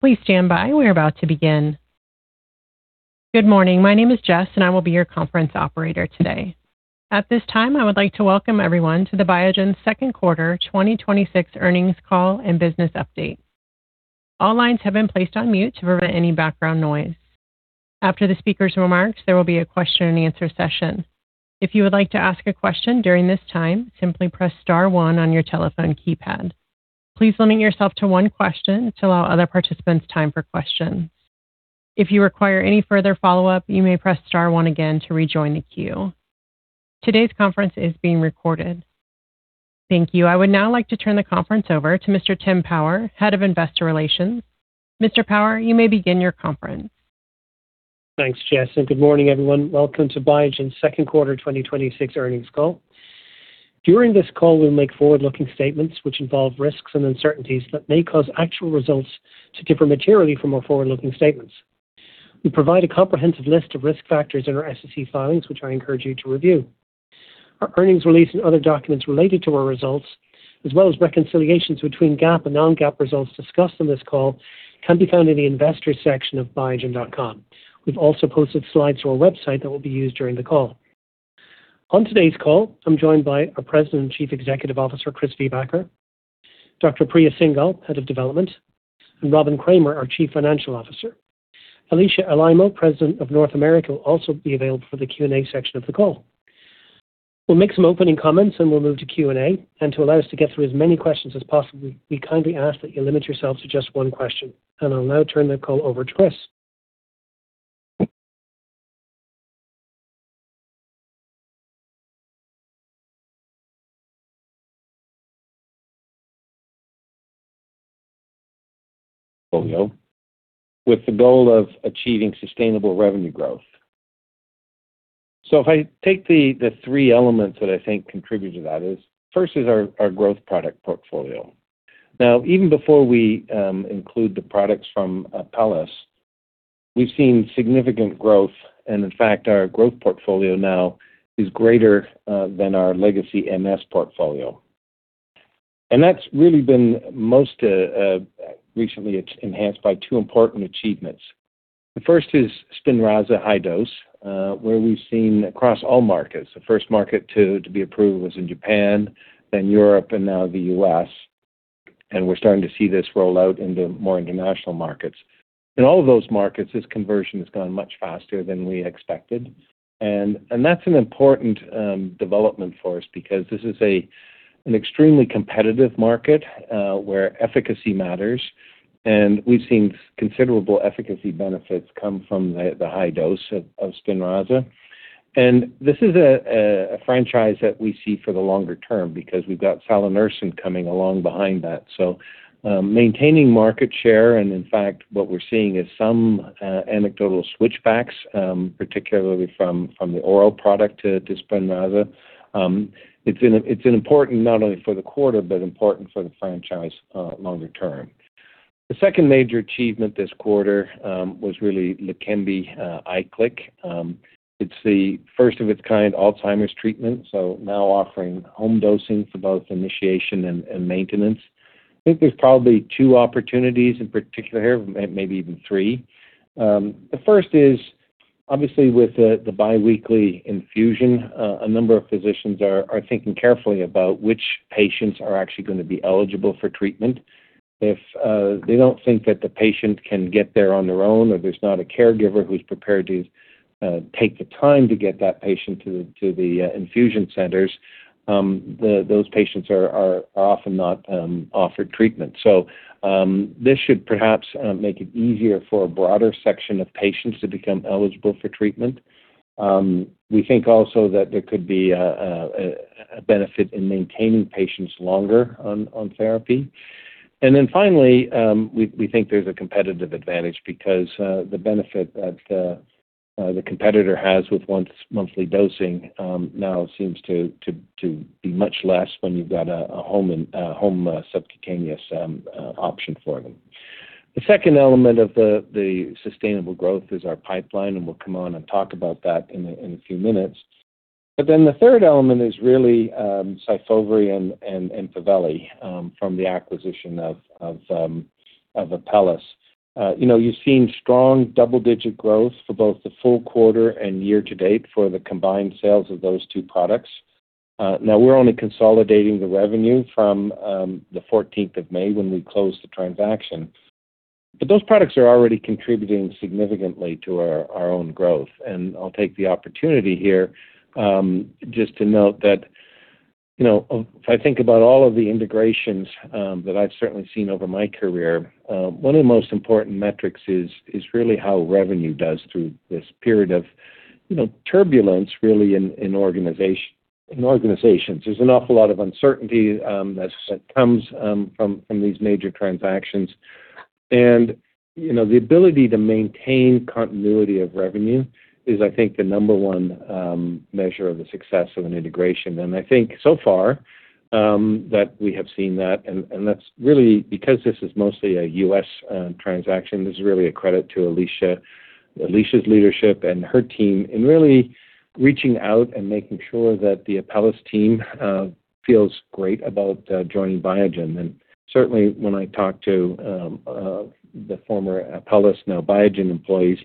Please stand by. We're about to begin. Good morning. My name is Jess, and I will be your conference operator today. At this time, I would like to welcome everyone to the Biogen second quarter 2026 earnings call and business update. All lines have been placed on mute to prevent any background noise. After the speaker's remarks, there will be a question and answer session. If you would like to ask a question during this time, simply press star one on your telephone keypad. Please limit yourself to one question to allow other participants time for questions. If you require any further follow-up, you may press star one again to rejoin the queue. Today's conference is being recorded. Thank you. I would now like to turn the conference over to Mr. Tim Power, Head of Investor Relations. Mr. Power, you may begin your conference. Thanks, Jess, and good morning, everyone. Welcome to Biogen's second quarter 2026 earnings call. During this call, we'll make forward-looking statements which involve risks and uncertainties that may cause actual results to differ materially from our forward-looking statements. We provide a comprehensive list of risk factors in our SEC filings, which I encourage you to review. Our earnings release and other documents related to our results, as well as reconciliations between GAAP and non-GAAP results discussed on this call can be found in the investor section of biogen.com. We've also posted slides to our website that will be used during the call. On today's call, I'm joined by our President and Chief Executive Officer, Chris Viehbacher; Dr. Priya Singhal, Head of Development; and Robin Kramer, our Chief Financial Officer. Alisha Alaimo, President of North America, will also be available for the Q&A section of the call. We'll make some opening comments, and we'll move to Q&A. To allow us to get through as many questions as possible, we kindly ask that you limit yourself to just one question. I'll now turn the call over to Chris. Portfolio with the goal of achieving sustainable revenue growth. If I take the three elements that I think contribute to that is first is our growth product portfolio. Now, even before we include the products from Apellis, we've seen significant growth, and in fact, our growth portfolio now is greater than our legacy MS portfolio. That's really been most recently enhanced by two important achievements. The first is SPINRAZA high dose where we've seen across all markets. The first market to be approved was in Japan, then Europe, and now the U.S., and we're starting to see this roll out into more international markets. In all of those markets, this conversion has gone much faster than we expected, and that's an important development for us because this is an extremely competitive market where efficacy matters, and we've seen considerable efficacy benefits come from the high dose of SPINRAZA. This is a franchise that we see for the longer term because we've got salanersen coming along behind that. Maintaining market share and in fact, what we're seeing is some anecdotal switch backs particularly from the oral product to SPINRAZA. It's important not only for the quarter, but important for the franchise longer term. The second major achievement this quarter was really LEQEMBI IQLIK. It's the first of its kind Alzheimer's treatment, so now offering home dosing for both initiation and maintenance. I think there's probably two opportunities in particular here, maybe even three. The first is obviously with the biweekly infusion. A number of physicians are thinking carefully about which patients are actually going to be eligible for treatment. If they don't think that the patient can get there on their own, or there's not a caregiver who's prepared to take the time to get that patient to the infusion centers those patients are often not offered treatment. This should perhaps make it easier for a broader section of patients to become eligible for treatment. We think also that there could be a benefit in maintaining patients longer on therapy. Finally, we think there's a competitive advantage because the benefit that the competitor has with once monthly dosing now seems to be much less when you've got a home subcutaneous option for them. The second element of the sustainable growth is our pipeline, and we'll come on and talk about that in a few minutes. The third element is really SYFOVRE and EMPAVELI from the acquisition of Apellis. You've seen strong double-digit growth for both the full quarter and year to date for the combined sales of those two products. Now we're only consolidating the revenue from the 14th of May when we closed the transaction. Those products are already contributing significantly to our own growth. I'll take the opportunity here just to note that if I think about all of the integrations that I've certainly seen over my career one of the most important metrics is really how revenue does through this period of turbulence really in organizations. There's an awful lot of uncertainty that comes from these major transactions. The ability to maintain continuity of revenue is, I think, the number 1 measure of the success of an integration. I think so far that we have seen that, and that's really because this is mostly a U.S. transaction. This is really a credit to Alisha's leadership and her team in really reaching out and making sure that the Apellis team feels great about joining Biogen. Certainly, when I talk to the former Apellis, now Biogen employees,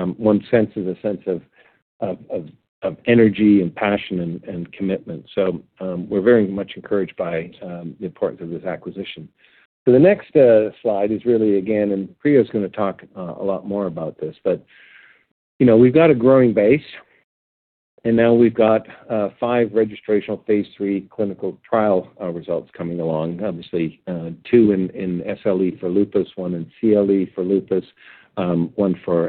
one sense is a sense of energy and passion and commitment. We're very much encouraged by the importance of this acquisition. The next slide is really, again, Priya is going to talk a lot more about this, but we've got a growing base, and now we've got five registrational phase III clinical trial results coming along. Obviously, two in SLE for lupus, one in CLE for lupus, one for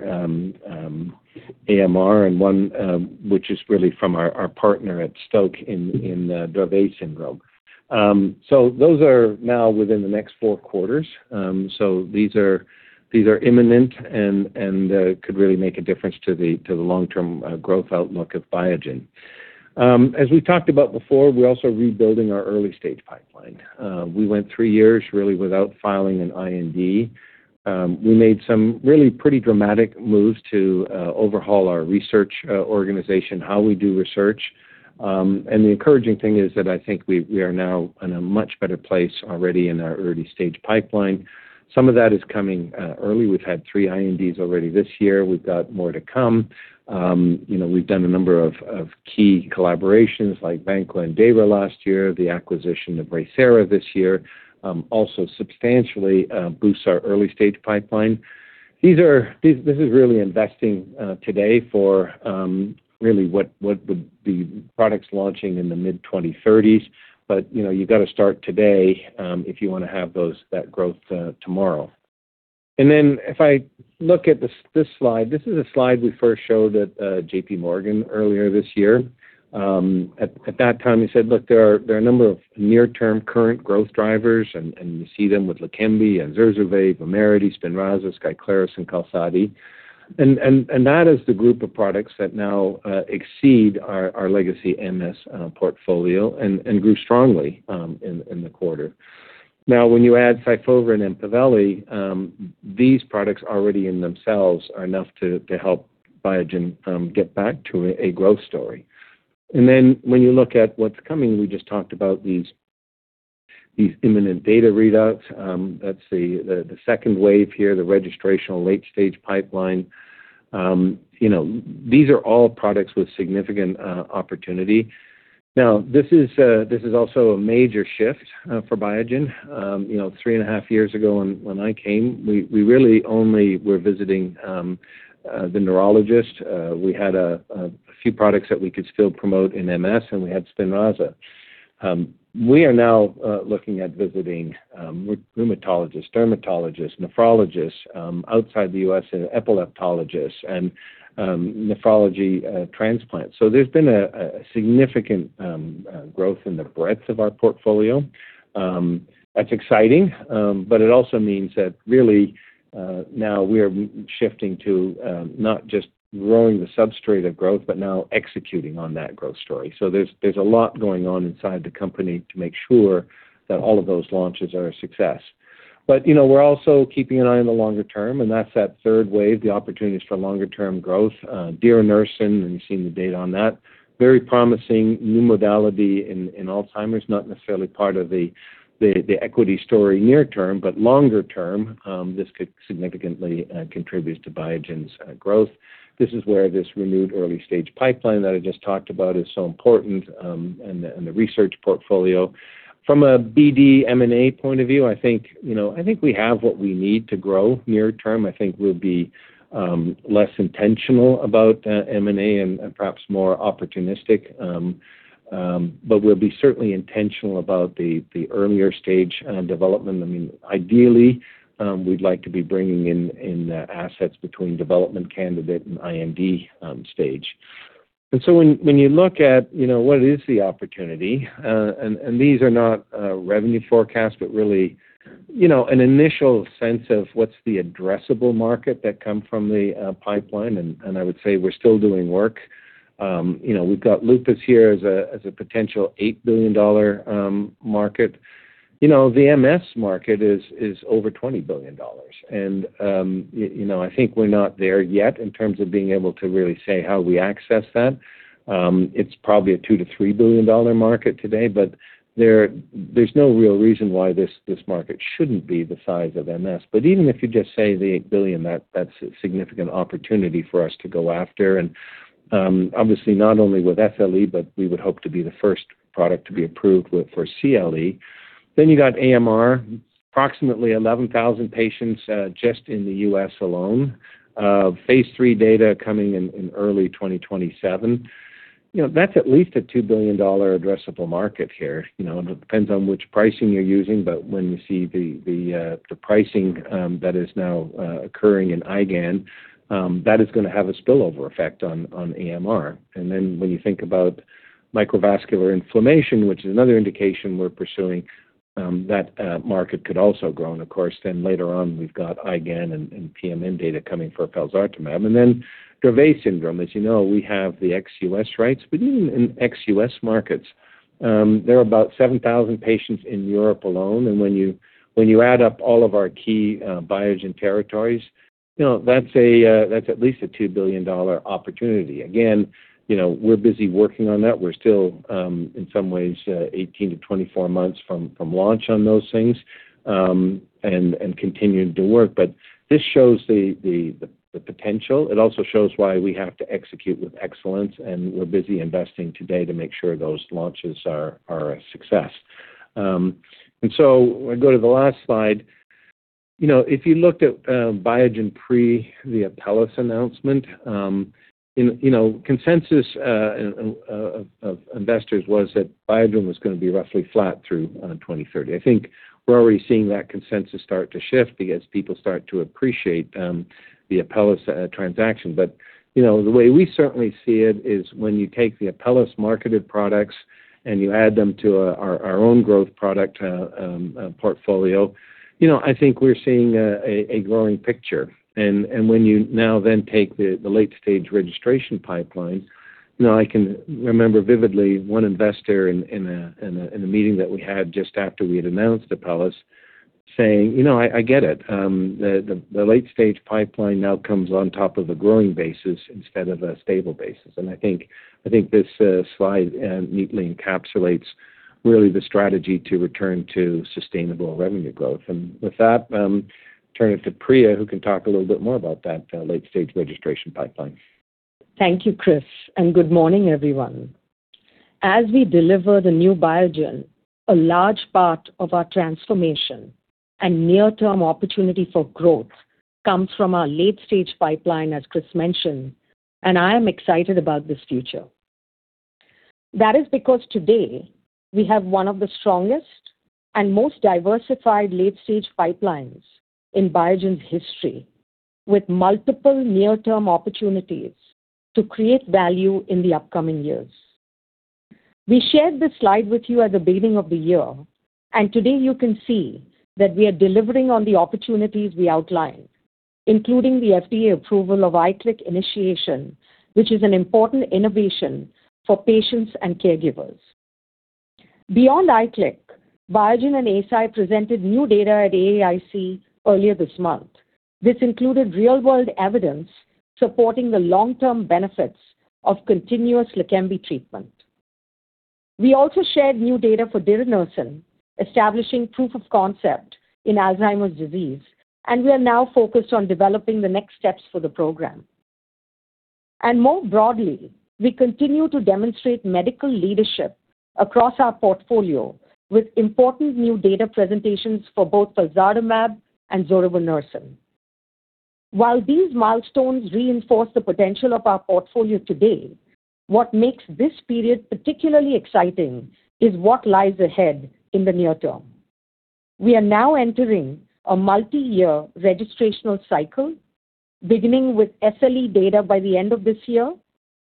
AMR and one which is really from our partner at Stoke in Dravet syndrome. Those are now within the next four quarters. These are imminent and could really make a difference to the long-term growth outlook of Biogen. As we talked about before, we're also rebuilding our early-stage pipeline. We went 3 years really without filing an IND. We made some really pretty dramatic moves to overhaul our research organization, how we do research. The encouraging thing is that I think we are now in a much better place already in our early-stage pipeline. Some of that is coming early. We've had 3 INDs already this year. We've got more to come. We've done a number of key collaborations like Vanqua and Dayra last year, the acquisition of RayThera this year also substantially boosts our early-stage pipeline. This is really investing today for really what would be products launching in the mid-2030s. You've got to start today if you want to have that growth tomorrow. If I look at this slide, this is a slide we first showed at JPMorgan earlier this year. At that time, we said, "Look, there are a number of near-term current growth drivers," and you see them with LEQEMBI and ZURZUVAE, VUMERITY, SPINRAZA, SKYCLARYS and QALSODY. That is the group of products that now exceed our legacy MS portfolio and grew strongly in the quarter. When you add SYFOVRE and EMPAVELI, these products already in themselves are enough to help Biogen get back to a growth story. When you look at what's coming, we just talked about these imminent data readouts. That's the second wave here, the registrational late-stage pipeline. These are all products with significant opportunity. This is also a major shift for Biogen. 3 and a half years ago when I came, we really only were visiting the neurologist. We had a few products that we could still promote in MS, and we had SPINRAZA. We are now looking at visiting rheumatologists, dermatologists, nephrologists outside the U.S., epileptologists, and nephrology transplants. There's been a significant growth in the breadth of our portfolio. That's exciting. It also means that really now we are shifting to not just growing the substrate of growth, but now executing on that growth story. There's a lot going on inside the company to make sure that all of those launches are a success. We're also keeping an eye on the longer term, and that's that third wave, the opportunities for longer-term growth. Diranersen, and you've seen the data on that, very promising new modality in Alzheimer's, not necessarily part of the equity story near term, but longer term, this could significantly contribute to Biogen's growth. This is where this renewed early-stage pipeline that I just talked about is so important and the research portfolio. From a BD M&A point of view, I think we have what we need to grow near term. I think we'll be less intentional about M&A and perhaps more opportunistic. We'll be certainly intentional about the earlier stage development. Ideally, we'd like to be bringing in assets between development candidate and IND stage. When you look at what is the opportunity, and these are not revenue forecasts, but really an initial sense of what's the addressable market that come from the pipeline, and I would say we're still doing work. We've got lupus here as a potential $8 billion market. The MS market is over $20 billion. I think we're not there yet in terms of being able to really say how we access that. It's probably a $2 billion-$3 billion market today, There's no real reason why this market shouldn't be the size of MS. Even if you just say the $8 billion, that's a significant opportunity for us to go after, and obviously not only with litifilimab, but we would hope to be the first product to be approved for CLE. You got AMR, approximately 11,000 patients just in the U.S. alone. Phase III data coming in early 2027. That's at least a $2 billion addressable market here. It depends on which pricing you're using, but when you see the pricing that is now occurring in IGAN, that is going to have a spillover effect on AMR. When you think about microvascular inflammation, which is another indication we're pursuing, that market could also grow. Of course, then later on, we've got IGAN and PMN data coming for felzartamab. Dravet syndrome, as you know, we have the ex-U.S. rights, but even in ex-U.S. markets, there are about 7,000 patients in Europe alone, and when you add up all of our key Biogen territories, that's at least a $2 billion opportunity. Again, we're busy working on that. We're still, in some ways, 18-24 months from launch on those things, and continuing to work. This shows the potential. It also shows why we have to execute with excellence, and we're busy investing today to make sure those launches are a success. We go to the last slide. If you looked at Biogen pre the Apellis announcement, consensus of investors was that Biogen was going to be roughly flat through 2030. I think we're already seeing that consensus start to shift because people start to appreciate the Apellis transaction. The way we certainly see it is when you take the Apellis marketed products and you add them to our own growth product portfolio, I think we're seeing a growing picture. When you now then take the late-stage registration pipeline, I can remember vividly one investor in a meeting that we had just after we had announced Apellis saying, "I get it. The late-stage pipeline now comes on top of a growing basis instead of a stable basis." This slide neatly encapsulates really the strategy to return to sustainable revenue growth. With that, I'll turn it to Priya, who can talk a little bit more about that late-stage registration pipeline. Thank you, Chris, and good morning, everyone. As we deliver the new Biogen, a large part of our transformation and near-term opportunity for growth comes from our late-stage pipeline, as Chris mentioned. I am excited about this future. That is because today we have one of the strongest and most diversified late-stage pipelines in Biogen's history, with multiple near-term opportunities to create value in the upcoming years. We shared this slide with you at the beginning of the year, Today you can see that we are delivering on the opportunities we outlined, including the FDA approval of IQLIK initiation, which is an important innovation for patients and caregivers. Beyond IQLIK, Biogen and Eisai presented new data at AAIC earlier this month. This included real-world evidence supporting the long-term benefits of continuous LEQEMBI treatment. We also shared new data for diranersen, establishing proof of concept in Alzheimer's disease, and we are now focused on developing the next steps for the program. More broadly, we continue to demonstrate medical leadership across our portfolio with important new data presentations for both felzartamab and tofersen. While these milestones reinforce the potential of our portfolio today, what makes this period particularly exciting is what lies ahead in the near term. We are now entering a multi-year registrational cycle, beginning with SLE data by the end of this year,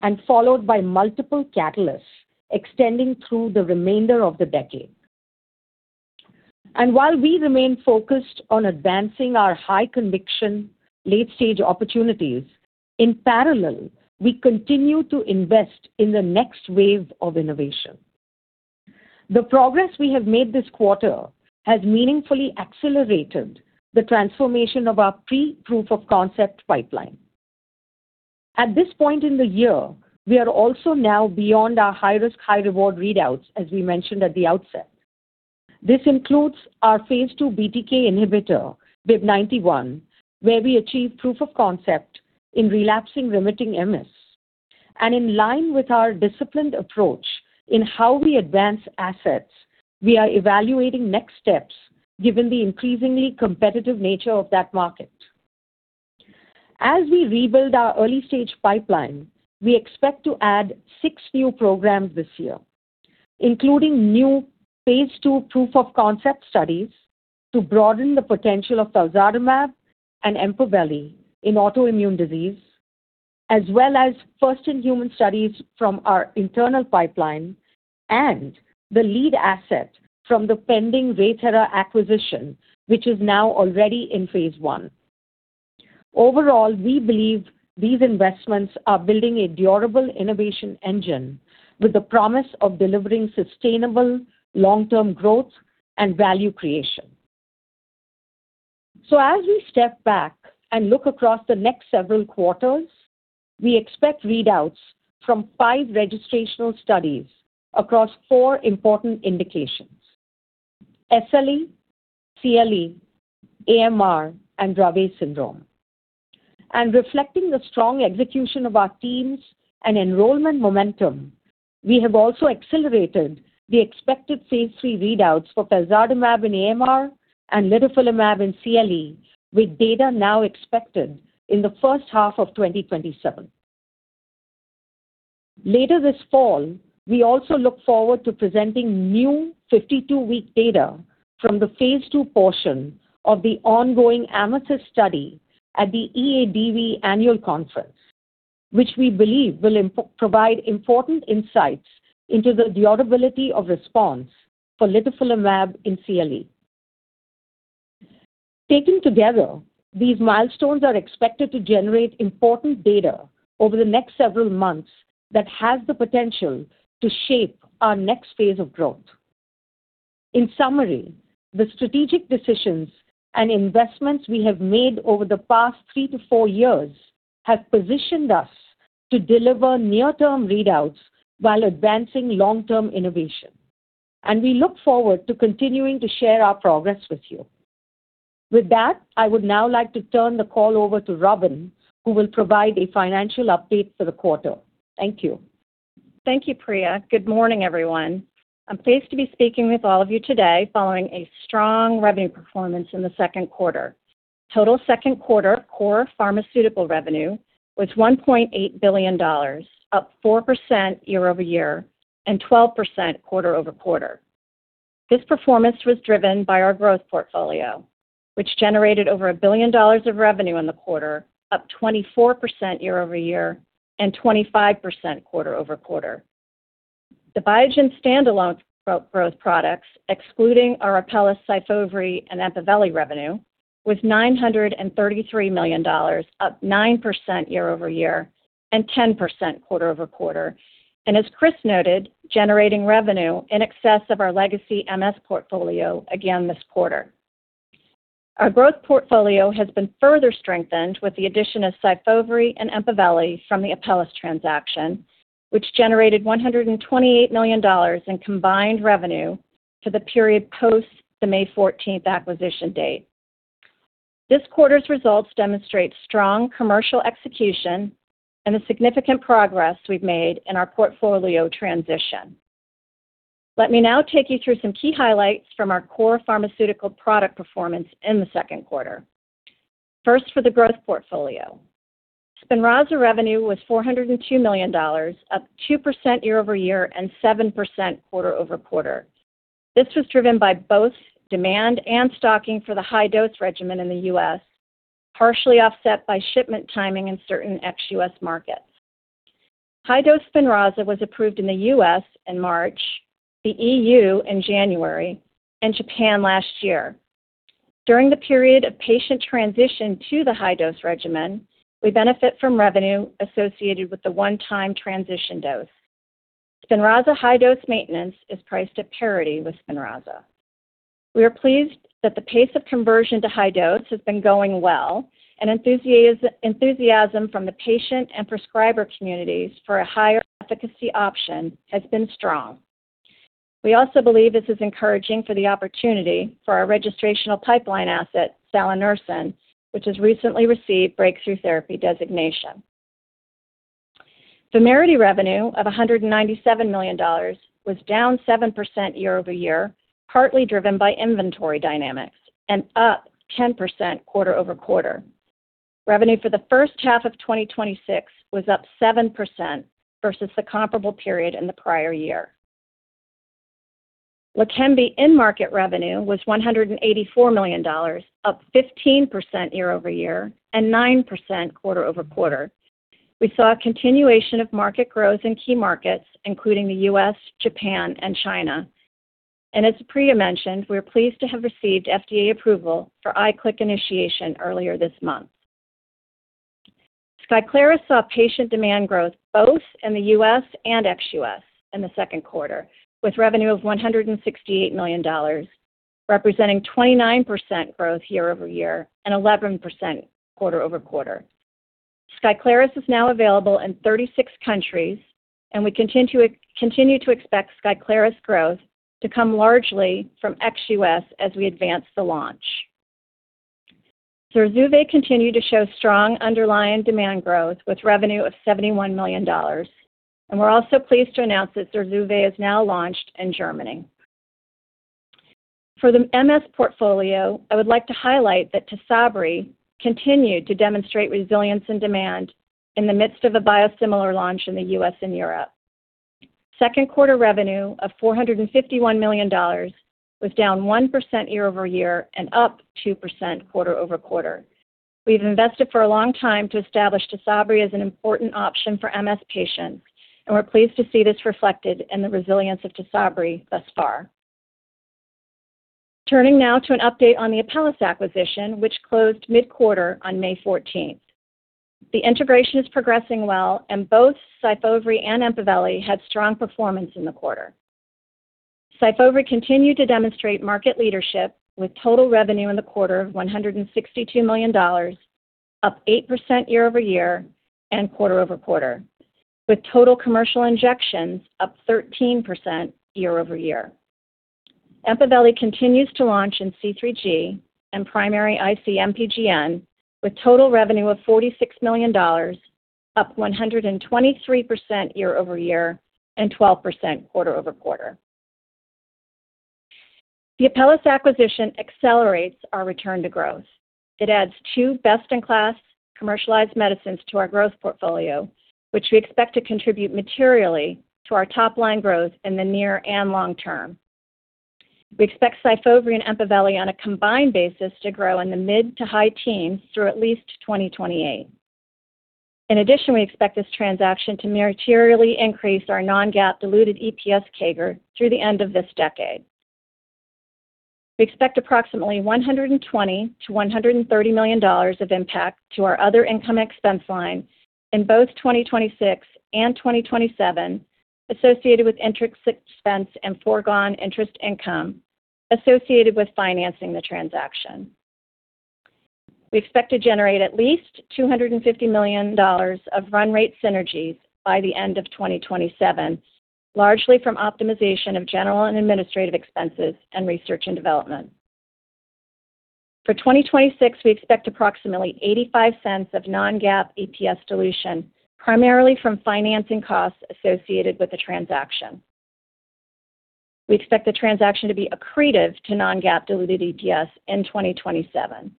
and followed by multiple catalysts extending through the remainder of the decade. While we remain focused on advancing our high-conviction late-stage opportunities, in parallel, we continue to invest in the next wave of innovation. The progress we have made this quarter has meaningfully accelerated the transformation of our pre-proof-of-concept pipeline. At this point in the year, we are also now beyond our high-risk, high-reward readouts, as we mentioned at the outset. This includes our phase II BTK inhibitor, BIIB091, where we achieved proof of concept in relapsing remitting MS. In line with our disciplined approach in how we advance assets, we are evaluating next steps given the increasingly competitive nature of that market. As we rebuild our early-stage pipeline, we expect to add six new programs this year, including new phase II proof of concept studies to broaden the potential of felzartamab and EMPAVELI in autoimmune disease, as well as first-in-human studies from our internal pipeline and the lead asset from the pending RayThera acquisition, which is now already in phase I. We believe these investments are building a durable innovation engine with the promise of delivering sustainable long-term growth and value creation. As we step back and look across the next several quarters, we expect readouts from five registrational studies across four important indications: SLE, CLE, AMR, and Dravet syndrome. Reflecting the strong execution of our teams and enrollment momentum, we have also accelerated the expected phase III readouts for felzartamab in AMR and litifilimab in CLE, with data now expected in the first half of 2027. Later this fall, we also look forward to presenting new 52-week data from the phase II portion of the ongoing AMETHYST study at the EADV Annual Conference, which we believe will provide important insights into the durability of response for litifilimab in CLE. Taken together, these milestones are expected to generate important data over the next several months that has the potential to shape our next phase of growth. In summary, the strategic decisions and investments we have made over the past three to four years have positioned us to deliver near-term readouts while advancing long-term innovation, and we look forward to continuing to share our progress with you. With that, I would now like to turn the call over to Robin, who will provide a financial update for the quarter. Thank you. Thank you, Priya. Good morning, everyone. I'm pleased to be speaking with all of you today following a strong revenue performance in the second quarter. Total second quarter core pharmaceutical revenue was $1.8 billion, up 4% year-over-year and 12% quarter-over-quarter. This performance was driven by our growth portfolio, which generated over a billion dollars of revenue in the quarter, up 24% year-over-year and 25% quarter-over-quarter. The Biogen standalone growth products, excluding our Apellis, SYFOVRE, and EMPAVELI revenue, was $933 million, up 9% year-over-year and 10% quarter-over-quarter. As Chris noted, generating revenue in excess of our legacy MS portfolio again this quarter. Our growth portfolio has been further strengthened with the addition of SYFOVRE and EMPAVELI from the Apellis transaction, which generated $128 million in combined revenue for the period post the May 14th acquisition date. This quarter's results demonstrate strong commercial execution and the significant progress we've made in our portfolio transition. Let me now take you through some key highlights from our core pharmaceutical product performance in the second quarter. First, for the growth portfolio. SPINRAZA revenue was $402 million, up 2% year-over-year and 7% quarter-over-quarter. This was driven by both demand and stocking for the high dose regimen in the U.S., partially offset by shipment timing in certain ex-U.S. markets. High-dose SPINRAZA was approved in the U.S. in March, the EU in January, and Japan last year. During the period of patient transition to the high dose regimen, we benefit from revenue associated with the one-time transition dose. SPINRAZA high-dose maintenance is priced at parity with SPINRAZA. We are pleased that the pace of conversion to high dose has been going well, and enthusiasm from the patient and prescriber communities for a higher efficacy option has been strong. We also believe this is encouraging for the opportunity for our registrational pipeline asset, salanersen, which has recently received breakthrough therapy designation. VUMERITY revenue of $197 million was down 7% year-over-year, partly driven by inventory dynamics, and up 10% quarter-over-quarter. Revenue for the first half of 2026 was up 7% versus the comparable period in the prior year. LEQEMBI in-market revenue was $184 million, up 15% year-over-year and 9% quarter-over-quarter. We saw a continuation of market growth in key markets including the U.S., Japan, and China. As Priya mentioned, we're pleased to have received FDA approval for IQLIK initiation earlier this month. SKYCLARYS saw patient demand growth both in the U.S. and ex-U.S. in the second quarter, with revenue of $168 million, representing 29% growth year-over-year and 11% quarter-over-quarter. SKYCLARYS is now available in 36 countries, and we continue to expect SKYCLARYS growth to come largely from ex-U.S. as we advance the launch. ZURZUVAE continued to show strong underlying demand growth with revenue of $71 million. We're also pleased to announce that ZURZUVAE is now launched in Germany. For the MS portfolio, I would like to highlight that TYSABRI continued to demonstrate resilience and demand in the midst of a biosimilar launch in the U.S. and Europe. Second quarter revenue of $451 million was down 1% year-over-year and up 2% quarter-over-quarter. We've invested for a long time to establish TYSABRI as an important option for MS patients, and we're pleased to see this reflected in the resilience of TYSABRI thus far. Turning now to an update on the Apellis acquisition, which closed mid-quarter on May 14th. The integration is progressing well, and both SYFOVRE and EMPAVELI had strong performance in the quarter. SYFOVRE continued to demonstrate market leadership with total revenue in the quarter of $162 million, up 8% year-over-year and quarter-over-quarter, with total commercial injections up 13% year-over-year. EMPAVELI continues to launch in C3G and primary IC-MPGN with total revenue of $46 million, up 123% year-over-year and 12% quarter-over-quarter. The Apellis acquisition accelerates our return to growth. It adds two best-in-class commercialized medicines to our growth portfolio, which we expect to contribute materially to our top-line growth in the near and long term. We expect SYFOVRE and EMPAVELI on a combined basis to grow in the mid to high teens through at least 2028. In addition, we expect this transaction to materially increase our non-GAAP diluted EPS CAGR through the end of this decade. We expect approximately $120 million-$130 million of impact to our other income expense lines in both 2026 and 2027 associated with intrinsic expense and foregone interest income associated with financing the transaction. We expect to generate at least $250 million of run rate synergies by the end of 2027, largely from optimization of general and administrative expenses and R&D. For 2026, we expect approximately $0.85 of non-GAAP EPS dilution, primarily from financing costs associated with the transaction. We expect the transaction to be accretive to non-GAAP diluted EPS in 2027.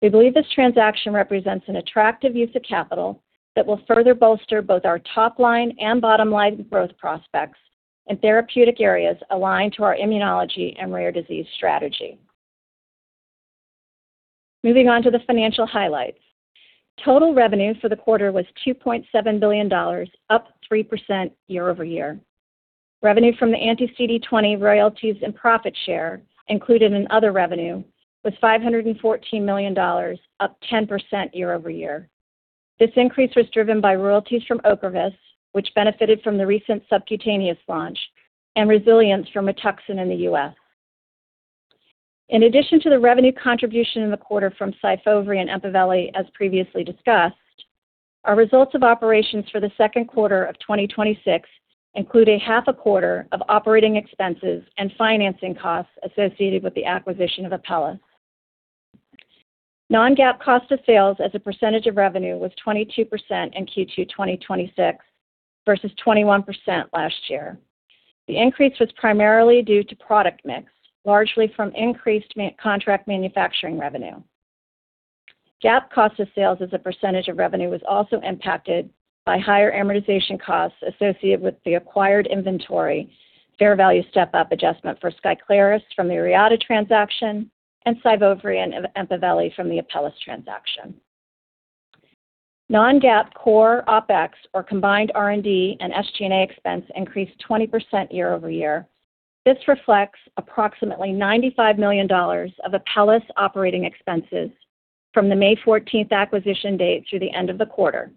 We believe this transaction represents an attractive use of capital that will further bolster both our top-line and bottom-line growth prospects in therapeutic areas aligned to our immunology and rare disease strategy. Moving on to the financial highlights. Total revenue for the quarter was $2.7 billion, up 3% year-over-year. Revenue from the anti-CD20 royalties and profit share included in other revenue was $514 million, up 10% year-over-year. This increase was driven by royalties from OCREVUS, which benefited from the recent subcutaneous launch and resilience from RITUXAN in the U.S. In addition to the revenue contribution in the quarter from SYFOVRE and EMPAVELI, as previously discussed, our results of operations for the second quarter of 2026 include a half a quarter of operating expenses and financing costs associated with the acquisition of Apellis. Non-GAAP cost of sales as a percentage of revenue was 22% in Q2 2026 versus 21% last year. The increase was primarily due to product mix, largely from increased contract manufacturing revenue. GAAP cost of sales as a percentage of revenue was also impacted by higher amortization costs associated with the acquired inventory, fair value step-up adjustment for SKYCLARYS from the Reata transaction and SYFOVRE and EMPAVELI from the Apellis transaction. Non-GAAP core OPEX or combined R&D and SG&A expense increased 20% year-over-year. This reflects approximately $95 million of Apellis operating expenses from the May 14th acquisition date through the end of the quarter.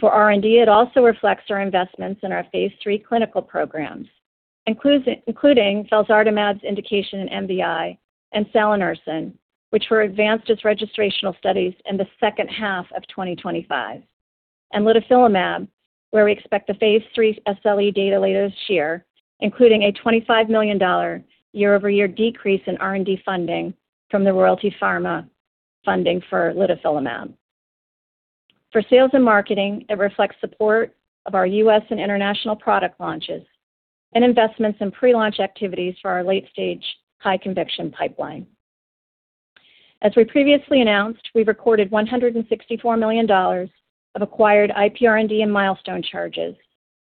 For R&D, it also reflects our investments in our phase III clinical programs, including felzartamab's indication in MVI and salanersen, which were advanced as registrational studies in the second half of 2025. Litifilimab, where we expect the phase III SLE data later this year, including a $25 million year-over-year decrease in R&D funding from the Royalty Pharma funding for litifilimab. For sales and marketing, it reflects support of our U.S. and international product launches and investments in pre-launch activities for our late-stage high-conviction pipeline. As we previously announced, we recorded $164 million of acquired IPR&D and milestone charges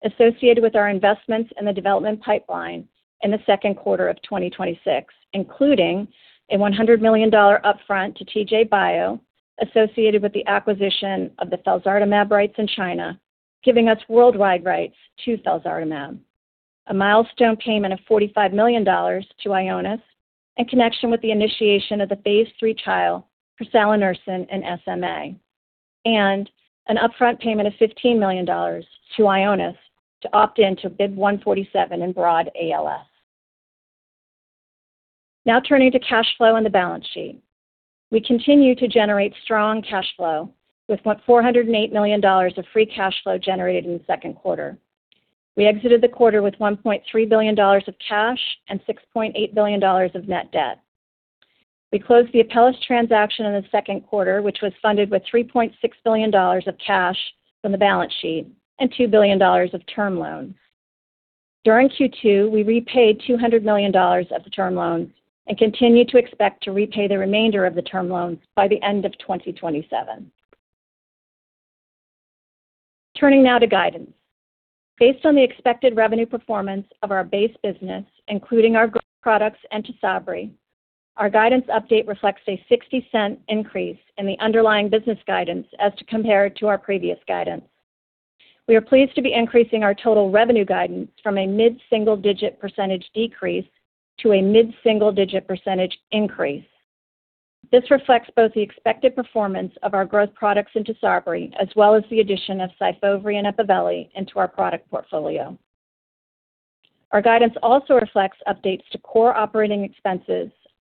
associated with our investments in the development pipeline in the second quarter of 2026, including a $100 million upfront to TJ Bio associated with the acquisition of the felzartamab rights in China, giving us worldwide rights to felzartamab. A milestone payment of $45 million to Ionis in connection with the initiation of the phase III trial for salanersen in SMA, and an upfront payment of $15 million to Ionis to opt in to BIIB1407 in broad ALS. Turning to cash flow and the balance sheet. We continue to generate strong cash flow with $408 million of free cash flow generated in the second quarter. We exited the quarter with $1.3 billion of cash and $6.8 billion of net debt. We closed the Apellis transaction in the second quarter, which was funded with $3.6 billion of cash from the balance sheet and $2 billion of term loan. During Q2, we repaid $200 million of the term loan and continue to expect to repay the remainder of the term loan by the end of 2027. Turning to guidance. Based on the expected revenue performance of our base business, including our growth products and TYSABRI, our guidance update reflects a $0.60 increase in the underlying business guidance as compared to our previous guidance. Increasing our total revenue guidance from a mid-single-digit % decrease to a mid-single-digit % increase. This reflects both the expected performance of our growth products in TYSABRI, as well as the addition of SYFOVRE and EMPAVELI into our product portfolio. Our guidance also reflects updates to core operating expenses,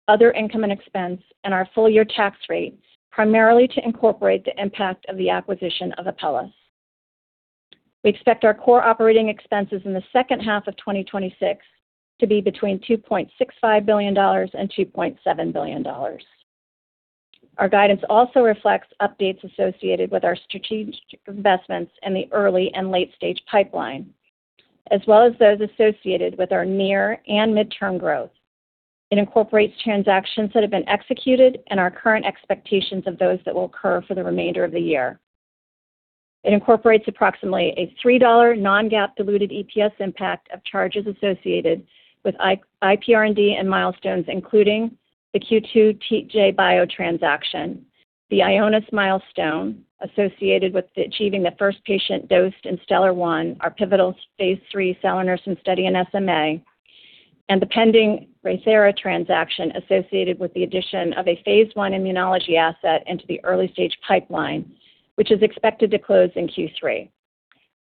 other income and expense, and our full-year tax rate, primarily to incorporate the impact of the acquisition of Apellis. We expect our core operating expenses in the second half of 2026 to be between $2.65 billion and $2.7 billion. Our guidance also reflects updates associated with our strategic investments in the early and late-stage pipeline, as well as those associated with our near- and mid-term growth. It incorporates transactions that have been executed and our current expectations of those that will occur for the remainder of the year. Incorporates approximately a $3 non-GAAP diluted EPS impact of charges associated with IPR&D and milestones, including the Q2 TJ Bio transaction, the Ionis milestone associated with achieving the first patient dosed in STELLAR-1, our pivotal Phase III salanersen study in SMA, and the pending RayThera transaction associated with the addition of a Phase I immunology asset into the early-stage pipeline, which is expected to close in Q3,